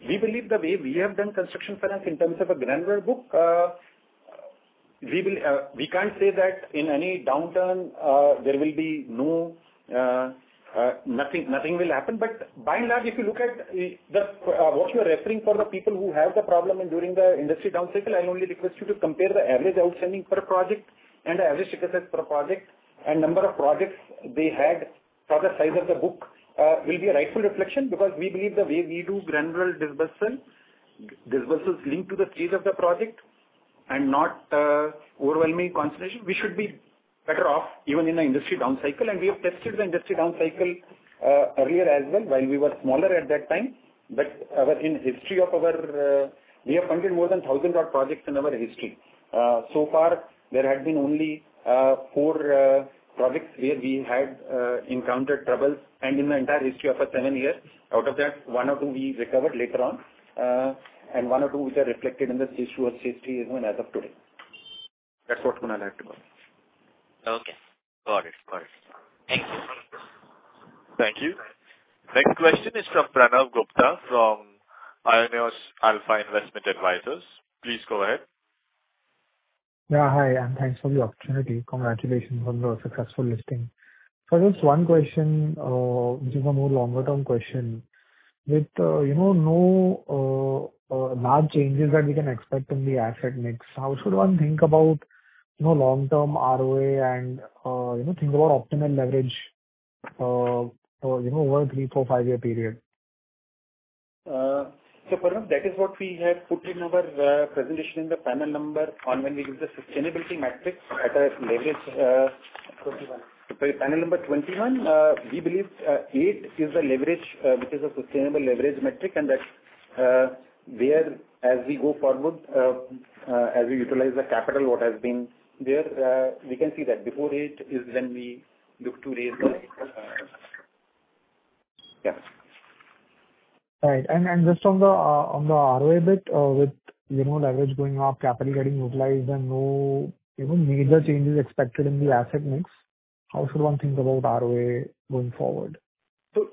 we believe the way we have done construction finance in terms of a granular book, we will, we can't say that in any downturn, there will be no, nothing will happen. But by and large, if you look at what you're referring to the people who have the problem during the industry down cycle, I only request you to compare the average outstanding per project and the average ticket size per project, and number of projects they had for the size of the book, will be a rightful reflection, because we believe the way we do granular disbursement, disbursements link to the stage of the project and not overwhelming consideration. We should be better off even in an industry down cycle, and we have tested the industry down cycle earlier as well, while we were smaller at that time. But in our history, we have funded more than thousand odd projects in our history. So far, there had been only four projects where we had encountered troubles and in the entire history of our seven years. Out of that, one or two we recovered later on, and one or two which are reflected in the Stage 2 or Stage 3, even as of today. That's what, Kunal, I have to say. Okay, got it. Got it. Thank you. Thank you. Next question is from Pranav Gupta, from Aionios Alpha Investment Advisors. Please go ahead. Yeah, hi, and thanks for the opportunity. Congratulations on the successful listing. For just one question, which is a more longer-term question. With, you know, no large changes that we can expect in the asset mix, how should one think about, you know, long-term ROA and, you know, think about optimal leverage, you know, over a three, four, five-year period?... So, Pranav, that is what we have put in our presentation in the panel number one when we give the sustainability matrix at a leverage twenty-one. Sorry, panel number twenty-one. We believe eight is the leverage which is a sustainable leverage metric, and that, whereas we go forward as we utilize the capital what has been there, we can see that before it is when we look to raise the, yes. Right. And just on the ROE bit, with you know, leverage going up, capital getting utilized, and no even major changes expected in the asset mix, how should one think about ROE going forward?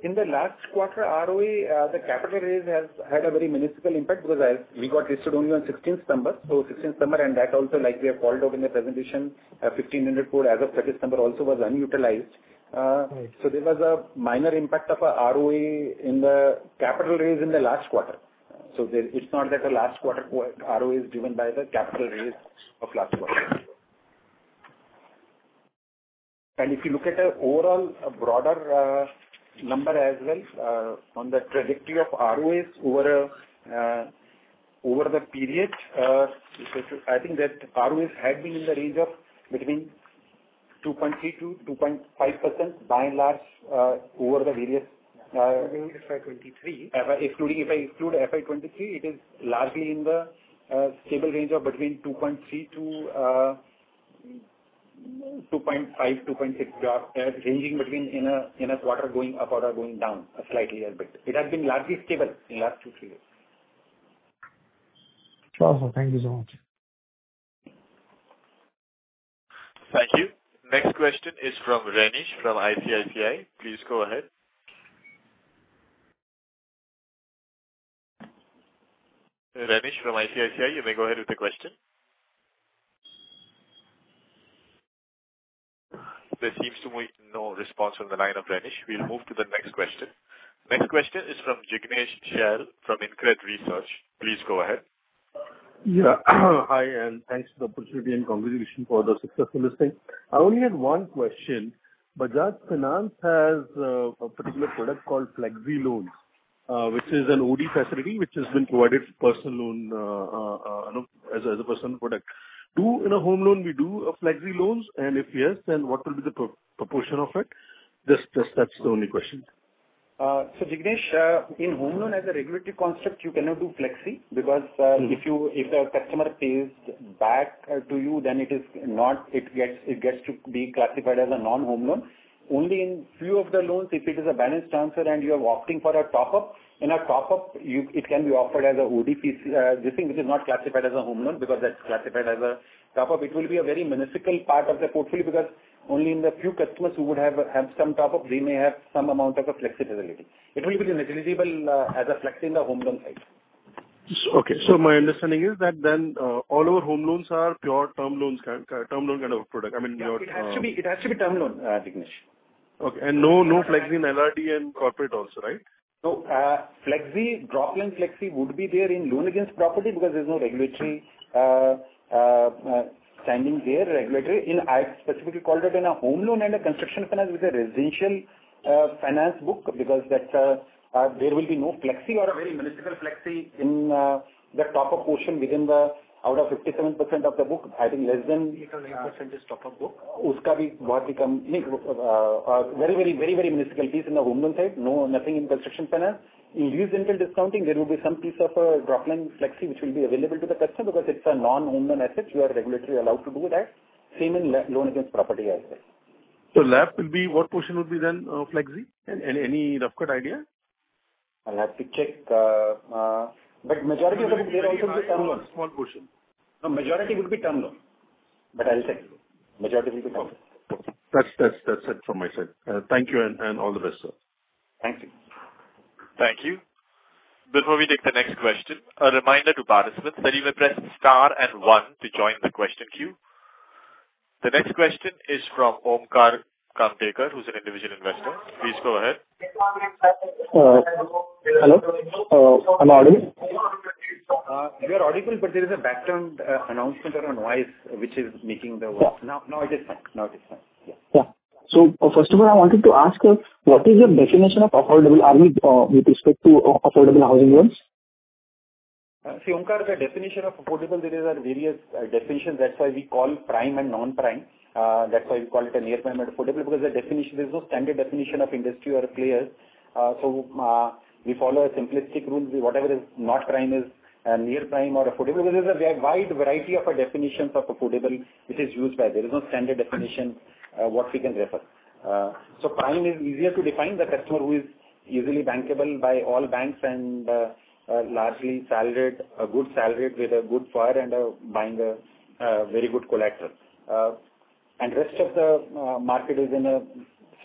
In the last quarter, ROE, the capital raise has had a very minuscule impact because as we got listed only on sixteenth December, so sixteenth December, and that also like we have called out in the presentation, 1,500 crore as of thirtieth December also was unutilized. Right. So there was a minor impact of a ROE in the capital raise in the last quarter. So there, it's not that the last quarter ROE is driven by the capital raise of last quarter. And if you look at the overall broader number as well, on the trajectory of ROEs over the period, I think that ROEs had been in the range of between 2.3% to 2.5%, by and large, over the various, FY twenty-three. -FY, including... If I include FY 2023, it is largely in the stable range of between 2.3 to 2.5, 2.6, ranging between in a quarter, going up or going down slightly a bit. It has been largely stable in last two, three years. Awesome. Thank you so much. Thank you. Next question is from Ramesh from ICICI. Please go ahead. Ramesh, from ICICI, you may go ahead with the question. There seems to be no response from the line of Ramesh. We'll move to the next question. Next question is from Jignesh Shah from InCred Research. Please go ahead. Yeah. Hi, and thanks for the opportunity and congratulations for the successful listing. I only had one question. Bajaj Finance has a particular product called Flexi Loans, which is an OD facility which has been provided personal loan, you know, as a, as a personal product. Do in a home loan, we do a flexi loans, and if yes, then what will be the proportion of it? Just that's the only question. So Jignesh, in home loan as a regulatory construct, you cannot do Flexi because, Mm. If you, if the customer pays back to you, then it is not. It gets to be classified as a non-home loan. Only in few of the loans, if it is a balance transfer and you are opting for a top-up, in a top-up, it can be offered as a OD piece, this thing, which is not classified as a home loan because that's classified as a top-up. It will be a very minuscule part of the portfolio because only in the few customers who would have some top-up, they may have some amount of a flexi facility. It will be negligible, as a flexi in the home loan side. So, okay. So my understanding is that then all our home loans are pure term loans, term loan kind of product. I mean, your It has to be, it has to be term loan, Jignesh. Okay. And no, no flexi in LRD and corporate also, right? So, flexi, Dropline Flexi would be there in loan against property because there's no regulatory standing there. Uncertain, I specifically called it in a home loan and a construction finance with a residential finance book, because that, there will be no flexi or a very minuscule flexi in the top-up portion within the out of 57% of the book, I think less than- Eight or nine % is top-up book.... very, very, very, very minuscule piece in the home loan side. No, nothing in construction finance. In lease rental discounting, there will be some piece of a Dropline flexi which will be available to the customer because it's a non-home loan asset. You are regulatory allowed to do that. Same in loan against property as well. LAP will be, what portion would be then, flexi? Any rough cut idea? I'll have to check, but majority of the book there also be term loan. Small portion. No, majority would be term loan, but I'll check. Majority will be term loan. That's it from my side. Thank you and all the best, sir. Thank you. Thank you. Before we take the next question, a reminder to participants that you may press Star and One to join the question queue. The next question is from Omkar Kamtekar, who's an individual investor. Please go ahead. Hello. Am I audible? You are audible, but there is a background announcement or a noise which is making the voice- Yeah. Now it is fine. Yeah. Yeah, so first of all, I wanted to ask what is your definition of affordable RBI with respect to affordable housing loans? So Omkar, the definition of affordable, there are various definitions. That's why we call prime and non-prime. That's why we call it a near prime affordable, because the definition, there's no standard definition of industry or players. So we follow a simplistic rule. Whatever is not prime is near prime or affordable. Because there's a wide variety of definitions of affordable, which is used by... There is no standard definition what we can refer. So prime is easier to define the customer who is easily bankable by all banks and largely salaried, a good salaried with a good profile and buying a very good collateral. And rest of the market is in a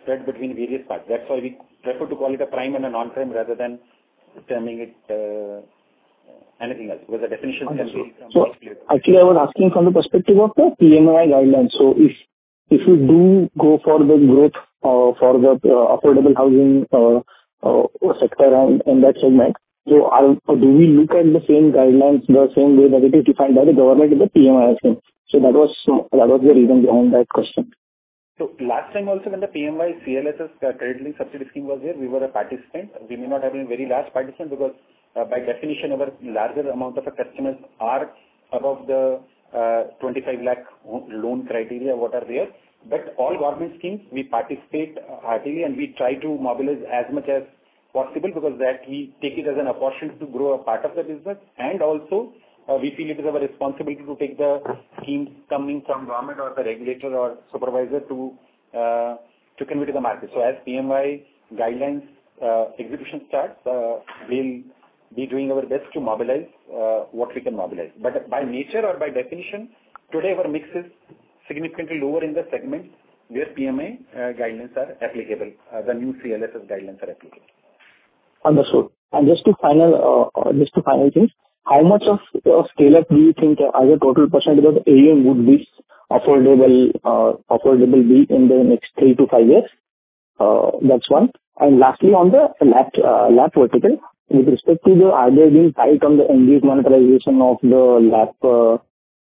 spread between various parts. That's why we prefer to call it a prime and a non-prime rather than terming it anything else, because the definition can be. Actually, I was asking from the perspective of the PMAY guidelines. If you do go for the growth for the affordable housing sector and that segment, do we look at the same guidelines the same way that it is defined by the government in the PMAY as well? That was the reason behind that question.... So last time also, when the PMAY CLSS, the credit subsidy scheme was there, we were a participant. We may not have been very large participant because, by definition, our larger amount of our customers are above the twenty-five lakh loan criteria, what are there. But all government schemes, we participate ideally, and we try to mobilize as much as possible, because that we take it as an opportunity to grow a part of the business. And also, we feel it is our responsibility to take the schemes coming from government or the regulator or supervisor to come into the market. So as PMAY guidelines execution starts, we'll be doing our best to mobilize what we can mobilize. But by nature or by definition, today, our mix is significantly lower in the segment, where PMAY guidelines are applicable, the new CLSS guidelines are applicable. Understood. And just to final things, how much of scale-up do you think as a total percentage of the AUM would be affordable be in the next three to five years? That's one. And lastly, on the LAP vertical, with respect to the ongoing fight on the end-use monetization of the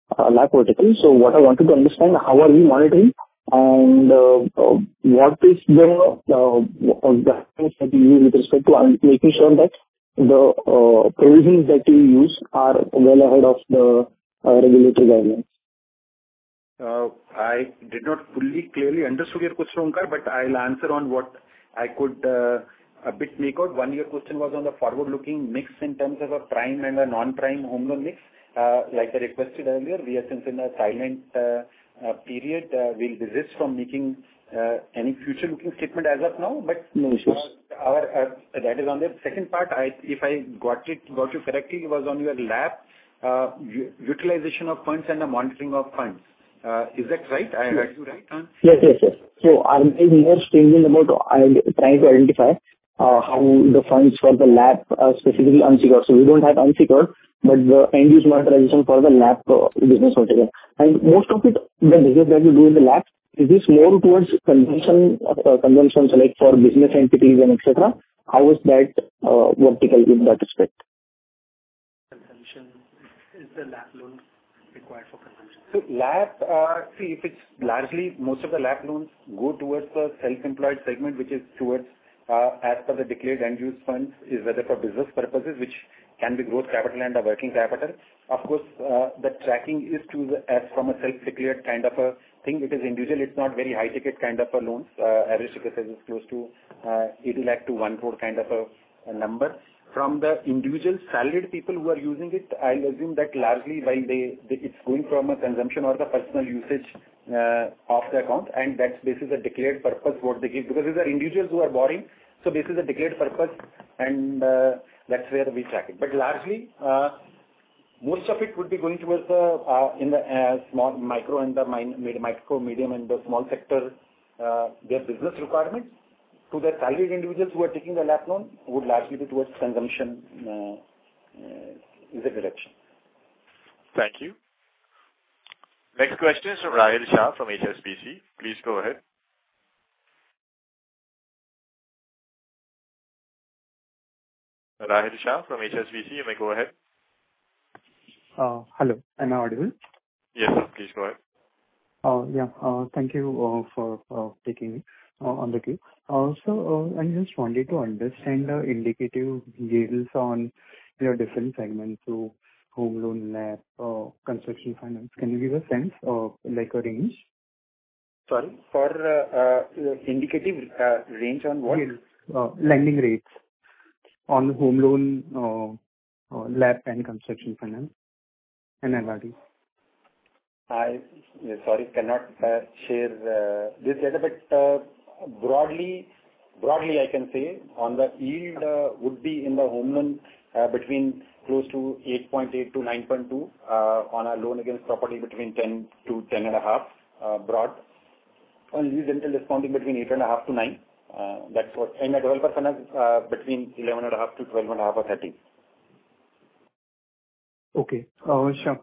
LAP vertical. So what I wanted to understand, how are you monitoring, and what is the guidelines that you use with respect to making sure that the provisions that you use are well ahead of the regulatory guidelines? I did not fully clearly understood your question, Omkar, but I'll answer on what I could a bit make out. One, your question was on the forward-looking mix in terms of a prime and a non-prime home loan mix. Like I requested earlier, we are since in a silent period, we'll desist from making any future-looking statement as of now. No issues. But our, that is on there. Second part, if I got you correctly, was on your LAP utilization of funds and the monitoring of funds. Is that right? I heard you right? Yes, yes, yes. So I'm more thinking about and trying to identify how the funds for the LAP, specifically unsecured. So we don't have unsecured, but the end-use monetization for the LAP, business vertical. And most of it, the business that we do in the LAP, is this more towards consumption, consumption select for business entities and et cetera? How is that vertical in that respect? Consumption, is the LAP loan required for consumption? So, LAP, if it's largely most of the LAP loans go towards the self-employed segment, which is towards, as per the declared end-use funds, is whether for business purposes, which can be growth capital and/or working capital. Of course, the tracking is to that as from a self-declared kind of a thing, because individually, it's not very high-ticket kind of a loans. Average ticket size is close to 80 lakh to 1 crore kind of a number. From the individual salaried people who are using it, I'll assume that largely while they... It's going from a consumption or the personal usage of the account, and that's basically the declared purpose what they give. Because these are individuals who are borrowing, so this is a declared purpose and, that's where we track it. But largely, most of it would be going towards the small micro, medium, and the small sector, their business requirements. To the salaried individuals who are taking the LAP loan would largely be towards consumption, in the direction. Thank you. Next question is from Rahil Shah, from HSBC. Please go ahead. Rahil Shah from HSBC, you may go ahead. Hello, am I audible? Yes, please go ahead. Yeah. Thank you for taking me on the queue. So, I just wanted to understand the indicative yields on your different segments, so home loan, LAP, Construction Finance. Can you give a sense, like a range? Sorry, for indicative range on what? Lending rates on home loan, LAP and construction finance and LRD. I'm sorry I cannot share this data, but broadly I can say on the yield would be in the home loan between close to 8.8-9.2, on a loan against property between 10-10.5 broadly. On lease rental discounting between 8.5-9. That's what... And the developer finance between 11.5-12.5 or 13. Okay. Sure.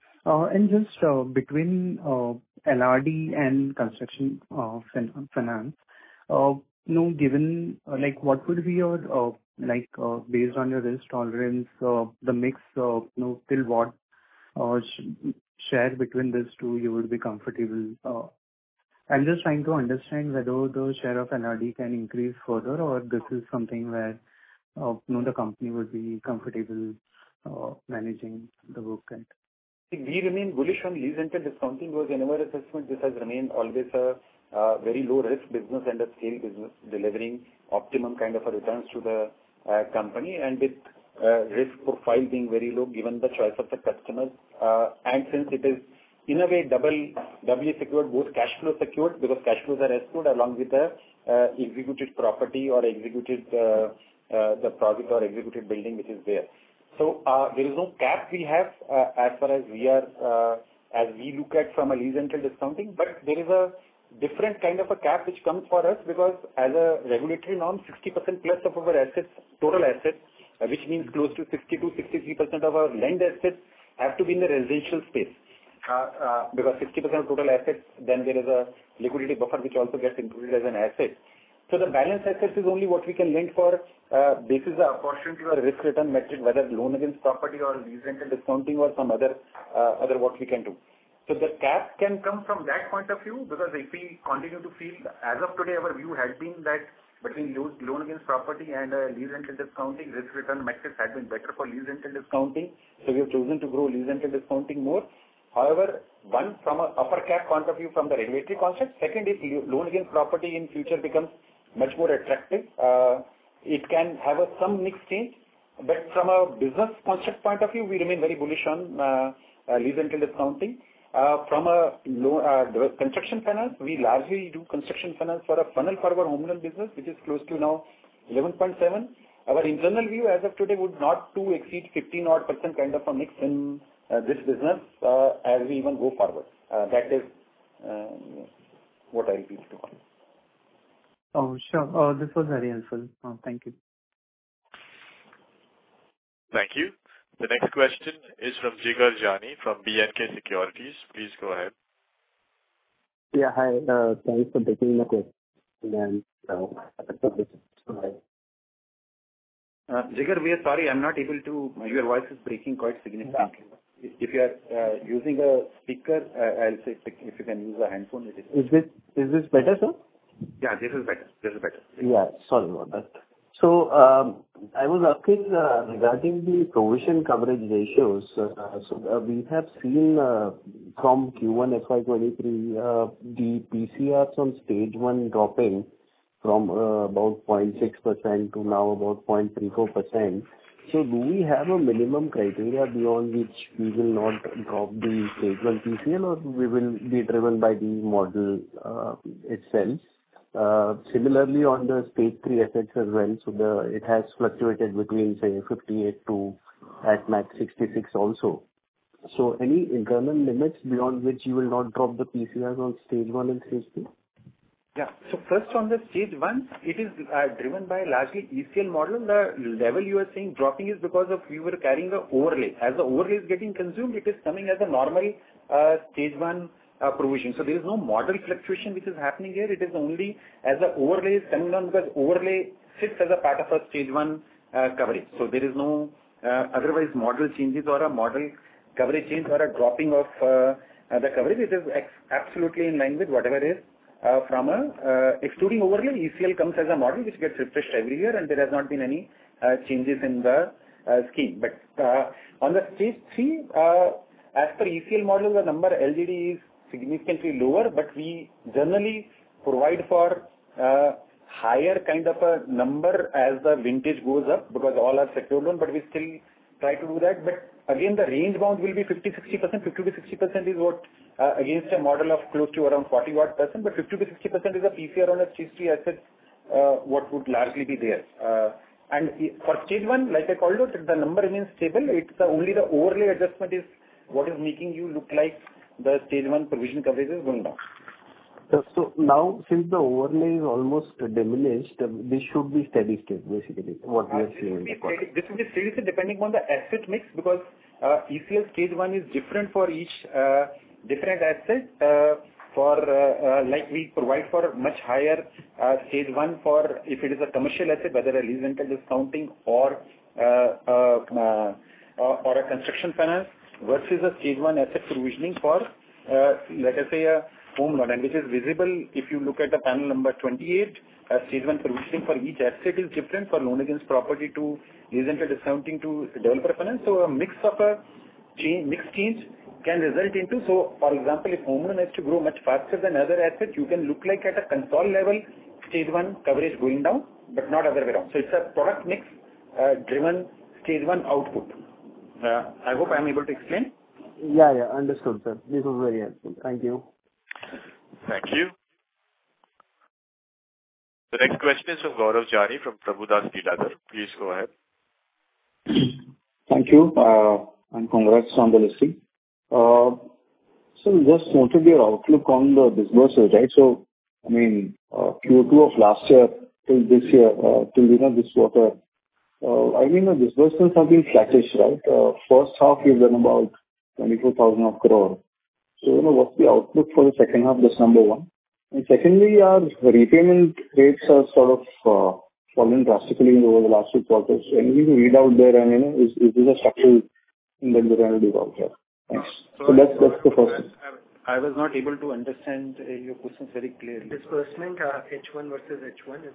And just between LRD and construction finance, now given like what would be your like based on your risk tolerance the mix of you know till what share between these two you would be comfortable? I'm just trying to understand whether the share of LRD can increase further or this is something where you know the company would be comfortable managing the book and. We remain bullish on lease rental discounting, because in our assessment, this has remained always a very low-risk business and a scale business, delivering optimum kind of returns to the company and with risk profile being very low, given the choice of the customers. And since it is in a way double secured, both cash flow secured, because cash flows are secured along with the executed property or executed the project or executed building, which is there. So there is no cap we have as far as we are as we look at from a lease rental discounting. But there is a different kind of a cap which comes for us, because as a regulatory norm, 60% plus of our assets, total assets, which means close to 60%-63% of our lend assets, have to be in the residential space. Because 60% of total assets, then there is a liquidity buffer, which also gets included as an asset... So the balance assets is only what we can lend for, basis of proportionate to our risk return metric, whether loan against property or lease rental discounting or some other, other work we can do. So the cap can come from that point of view, because if we continue to feel, as of today, our view has been that between loan against property and lease rental discounting, risk return metrics have been better for lease rental discounting, so we have chosen to grow lease rental discounting more. However, one, from an upper cap point of view, from the regulatory concept, second, if loan against property in future becomes much more attractive, it can have some mix change. But from a business concept point of view, we remain very bullish on lease rental discounting. From the construction finance, we largely do construction finance for a funnel for our home loan business, which is close to now 11.7. Our internal view as of today would not to exceed 15 odd% kind of a mix in this business, as we even go forward. That is what I prefer to call. Oh, sure. This was very helpful. Thank you. Thank you. The next question is from Jigar Jani, from B&K Securities. Please go ahead. Yeah, hi. Thanks for taking the call. And, Jigar, we are sorry. I'm not able to... Your voice is breaking quite significantly. If you are using a speaker, I'll say, if you can use a handphone, it is- Is this better, sir? Yeah, this is better. This is better. Yeah, sorry about that. So, I was asking regarding the provision coverage ratios. So, we have seen from Q1 FY 2023 the PCR from Stage 1 dropping from about 0.6% to now about 0.34%. So do we have a minimum criteria beyond which we will not drop the Stage 1 PCR, or we will be driven by the model itself? Similarly, on the Stage 3 assets as well, so it has fluctuated between, say, 58 to at max 66 also. So any internal limits beyond which you will not drop the PCRs on Stage 1 and Stage 2? Yeah. So first, on the Stage 1, it is driven by largely ECL model. The level you are seeing dropping is because of we were carrying a overlay. As the overlay is getting consumed, it is coming as a normal, Stage 1, provision. So there is no model fluctuation which is happening here. It is only as the overlay is coming down, because overlay sits as a part of a Stage 1, coverage. So there is no otherwise model changes or a model coverage change or a dropping of the coverage. It is absolutely in line with whatever is from a... Excluding overlay, ECL comes as a model which gets refreshed every year, and there has not been any changes in the scheme. But on the Stage 3, as per ECL model, the number LGD is significantly lower, but we generally provide for higher kind of a number as the vintage goes up, because all are secured loan, but we still try to do that. But again, the range bound will be 50-60%. 50%-60% is what against a model of close to around 40-odd%, but 50%-60% is a PCR on a Stage 3 assets what would largely be there. And for Stage 1, like I called out, the number remains stable. It's only the overlay adjustment is what is making you look like the Stage 1 provision coverage is going down. Yeah. So now, since the overlay is almost demolished, this should be steady state, basically, what we are seeing? This will be steady state depending on the asset mix, because, ECL Stage 1 is different for each, different asset. For, like, we provide for a much higher, Stage 1 for if it is a commercial asset, whether a lease rental discounting or, or a construction finance, versus a Stage 1 asset provisioning for, let us say, a home loan. And which is visible if you look at the panel number 28, Stage 1 provisioning for each asset is different, from loan against property to lease rental discounting to developer finance. So a mix of a change, mix change can result into... So for example, if home loan has to grow much faster than other assets, you can look like at a consolidated level, Stage 1 coverage going down, but not other way around. So it's a product mix, driven Stage 1 output. I hope I'm able to explain? Yeah, yeah. Understood, sir. This was very helpful. Thank you. Thank you. The next question is from Gaurav Jani, from Prabhudas Lilladher. Please go ahead. Thank you, and congrats on the listing. So just wanted your outlook on the disbursements, right? So, I mean, Q2 of last year till this year, till, you know, this quarter, I mean, the disbursements have been flattish, right? First half you've done about 24,000 crore. So, you know, what's the outlook for the second half? That's number one. And secondly, the repayment rates are sort of, falling drastically over the last two quarters. Anything to read out there, and, you know, is this a structural thing that we're going to be out here? Thanks. So that's, that's the first. I was not able to understand your questions very clearly. Disbursement, H1 versus H1 is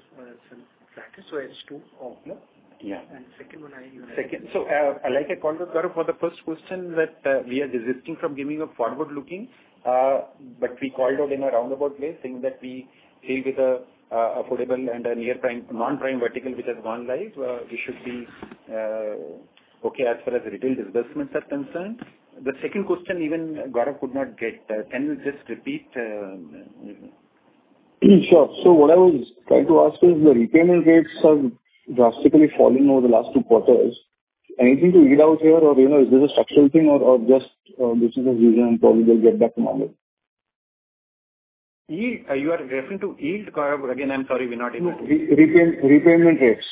since practice, so H2. Oh, yeah. And second one, I... Second. So, like I called out, Gaurav, for the first question, that we are resisting from giving a forward looking, but we called out in a roundabout way, saying that we play with a affordable and a near-prime, non-prime vertical, which has gone live. We should be okay, as far as retail disbursements are concerned. The second question, even Gaurav could not get. Can you just repeat? Sure. So what I was trying to ask is, the repayment rates are drastically falling over the last two quarters. Anything to read out here or, you know, is this a structural thing or just, this is a reason and probably will get back to normal? you are referring to yield, Gaurav? Again, I'm sorry, we're not able to- No, repayment, repayment rates.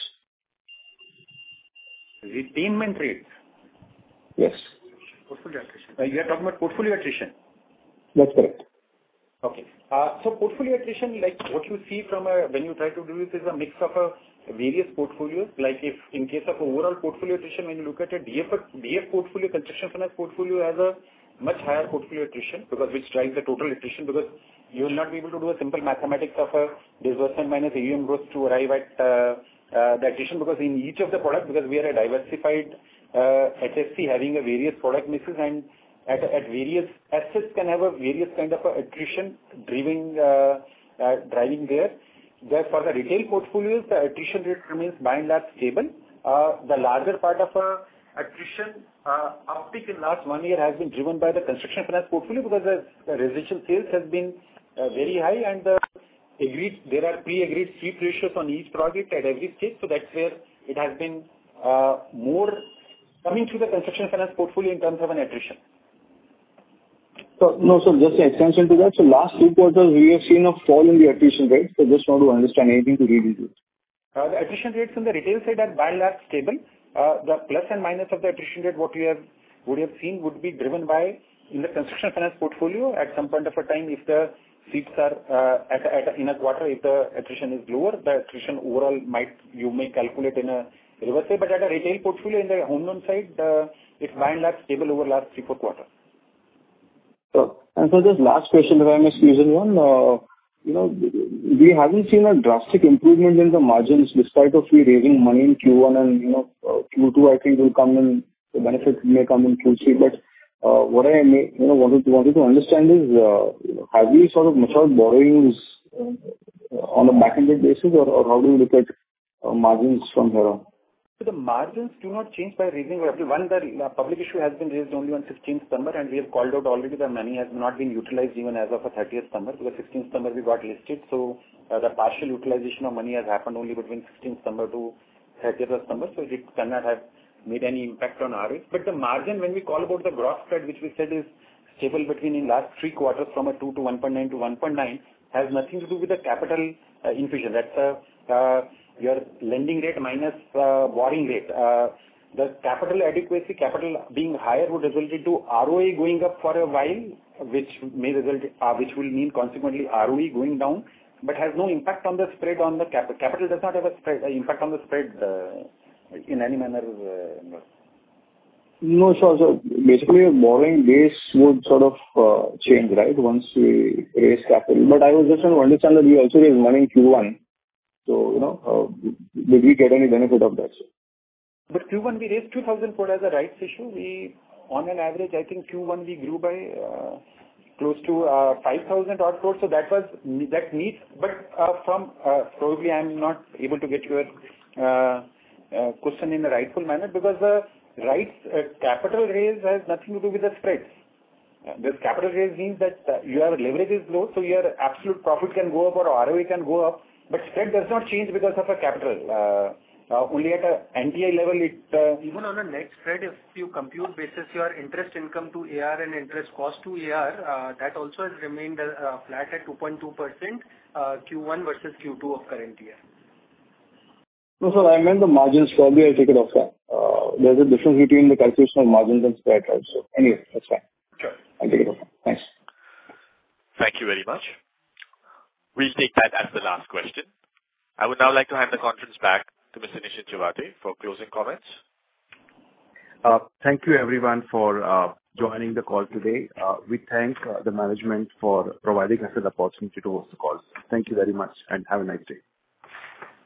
...Redeemed and rates? Yes. Portfolio attrition. Are you talking about portfolio attrition? That's correct. Okay. So portfolio attrition, like, what you see from a when you try to do this is a mix of various portfolios, like, if in case of overall portfolio attrition, when you look at a DF, DF portfolio, construction finance portfolio has a much higher portfolio attrition because which drives the total attrition, because you will not be able to do a simple mathematics of disbursement minus AUM growth to arrive at the attrition. Because in each of the product, because we are a diversified HFC having a various product mixes and at various assets can have a various kind of attrition driving driving there. Just for the retail portfolios, the attrition rate remains by and large stable. The larger part of attrition uptick in the last one year has been driven by the construction finance portfolio because the residential sales has been very high and the agreed, there are pre-agreed fee ratios on each project at every stage, so that's where it has been more coming through the construction finance portfolio in terms of an attrition. So, no, so just an extension to that. So last two quarters, we have seen a fall in the attrition rates. So just want to understand, anything to read into it? The attrition rates from the retail side are by and large stable. The plus and minus of the attrition rate, what we have seen would be driven by the Construction Finance portfolio. At some point in time, if the seats are at a in a quarter, if the attrition is lower, the attrition overall might. You may calculate in a reverse way, but in the retail portfolio, in the home loan side, it's by and large stable over last three, four quarters. And for this last question, if I may squeeze in one, you know, we haven't seen a drastic improvement in the margins despite of you raising money in Q1 and, you know, Q2, I think will come in, the benefits may come in Q3. But, you know, what we wanted to understand is, have you sort of matured borrowings on a backended basis or how do you look at margins from here on? So the margins do not change by raising. One, the public issue has been raised only on sixteenth December, and we have called out already that money has not been utilized even as of the thirtieth December, because sixteenth December we got listed. So, the partial utilization of money has happened only between sixteenth December to thirtieth December, so it cannot have made any impact on ROA. But the margin, when we call about the gross spread, which we said is stable between the last three quarters, from 2 to 1.9 to 1.9, has nothing to do with the capital infusion. That's your lending rate minus borrowing rate. The capital adequacy, capital being higher, would result into ROE going up for a while, which may result, which will mean consequently ROE going down, but has no impact on the spread on the capital. Capital does not have a spread, impact on the spread, in any manner, you know. No, sure. So basically, your borrowing base would sort of change, right, once we raise capital. But I was just trying to understand that you also raised money in Q1, so, you know, did we get any benefit of that? But Q1, we raised 2,000 core as a rights issue. We, on average, I think Q1, we grew by close to 5,000-odd crores. So that was, that needs... But from probably I'm not able to get your question in the rightful manner, because the rights capital raise has nothing to do with the spreads. This capital raise means that your leverage is low, so your absolute profit can go up or ROE can go up, but spread does not change because of a capital. Only at a NII level it. Even on a net spread, if you compute basis, your interest income to AUM and interest cost to AUM, that also has remained flat at 2.2%, Q1 versus Q2 of current year. No, sir, I meant the margins probably I take it off. There's a difference between the calculation of margins and spread also. Anyway, that's fine. Sure. I take it off. Thanks. Thank you very much. We'll take that as the last question. I would now like to hand the conference back to Mr. Nischint Chawathe for closing comments. Thank you, everyone, for joining the call today. We thank the management for providing us with the opportunity to host the call. Thank you very much and have a nice day.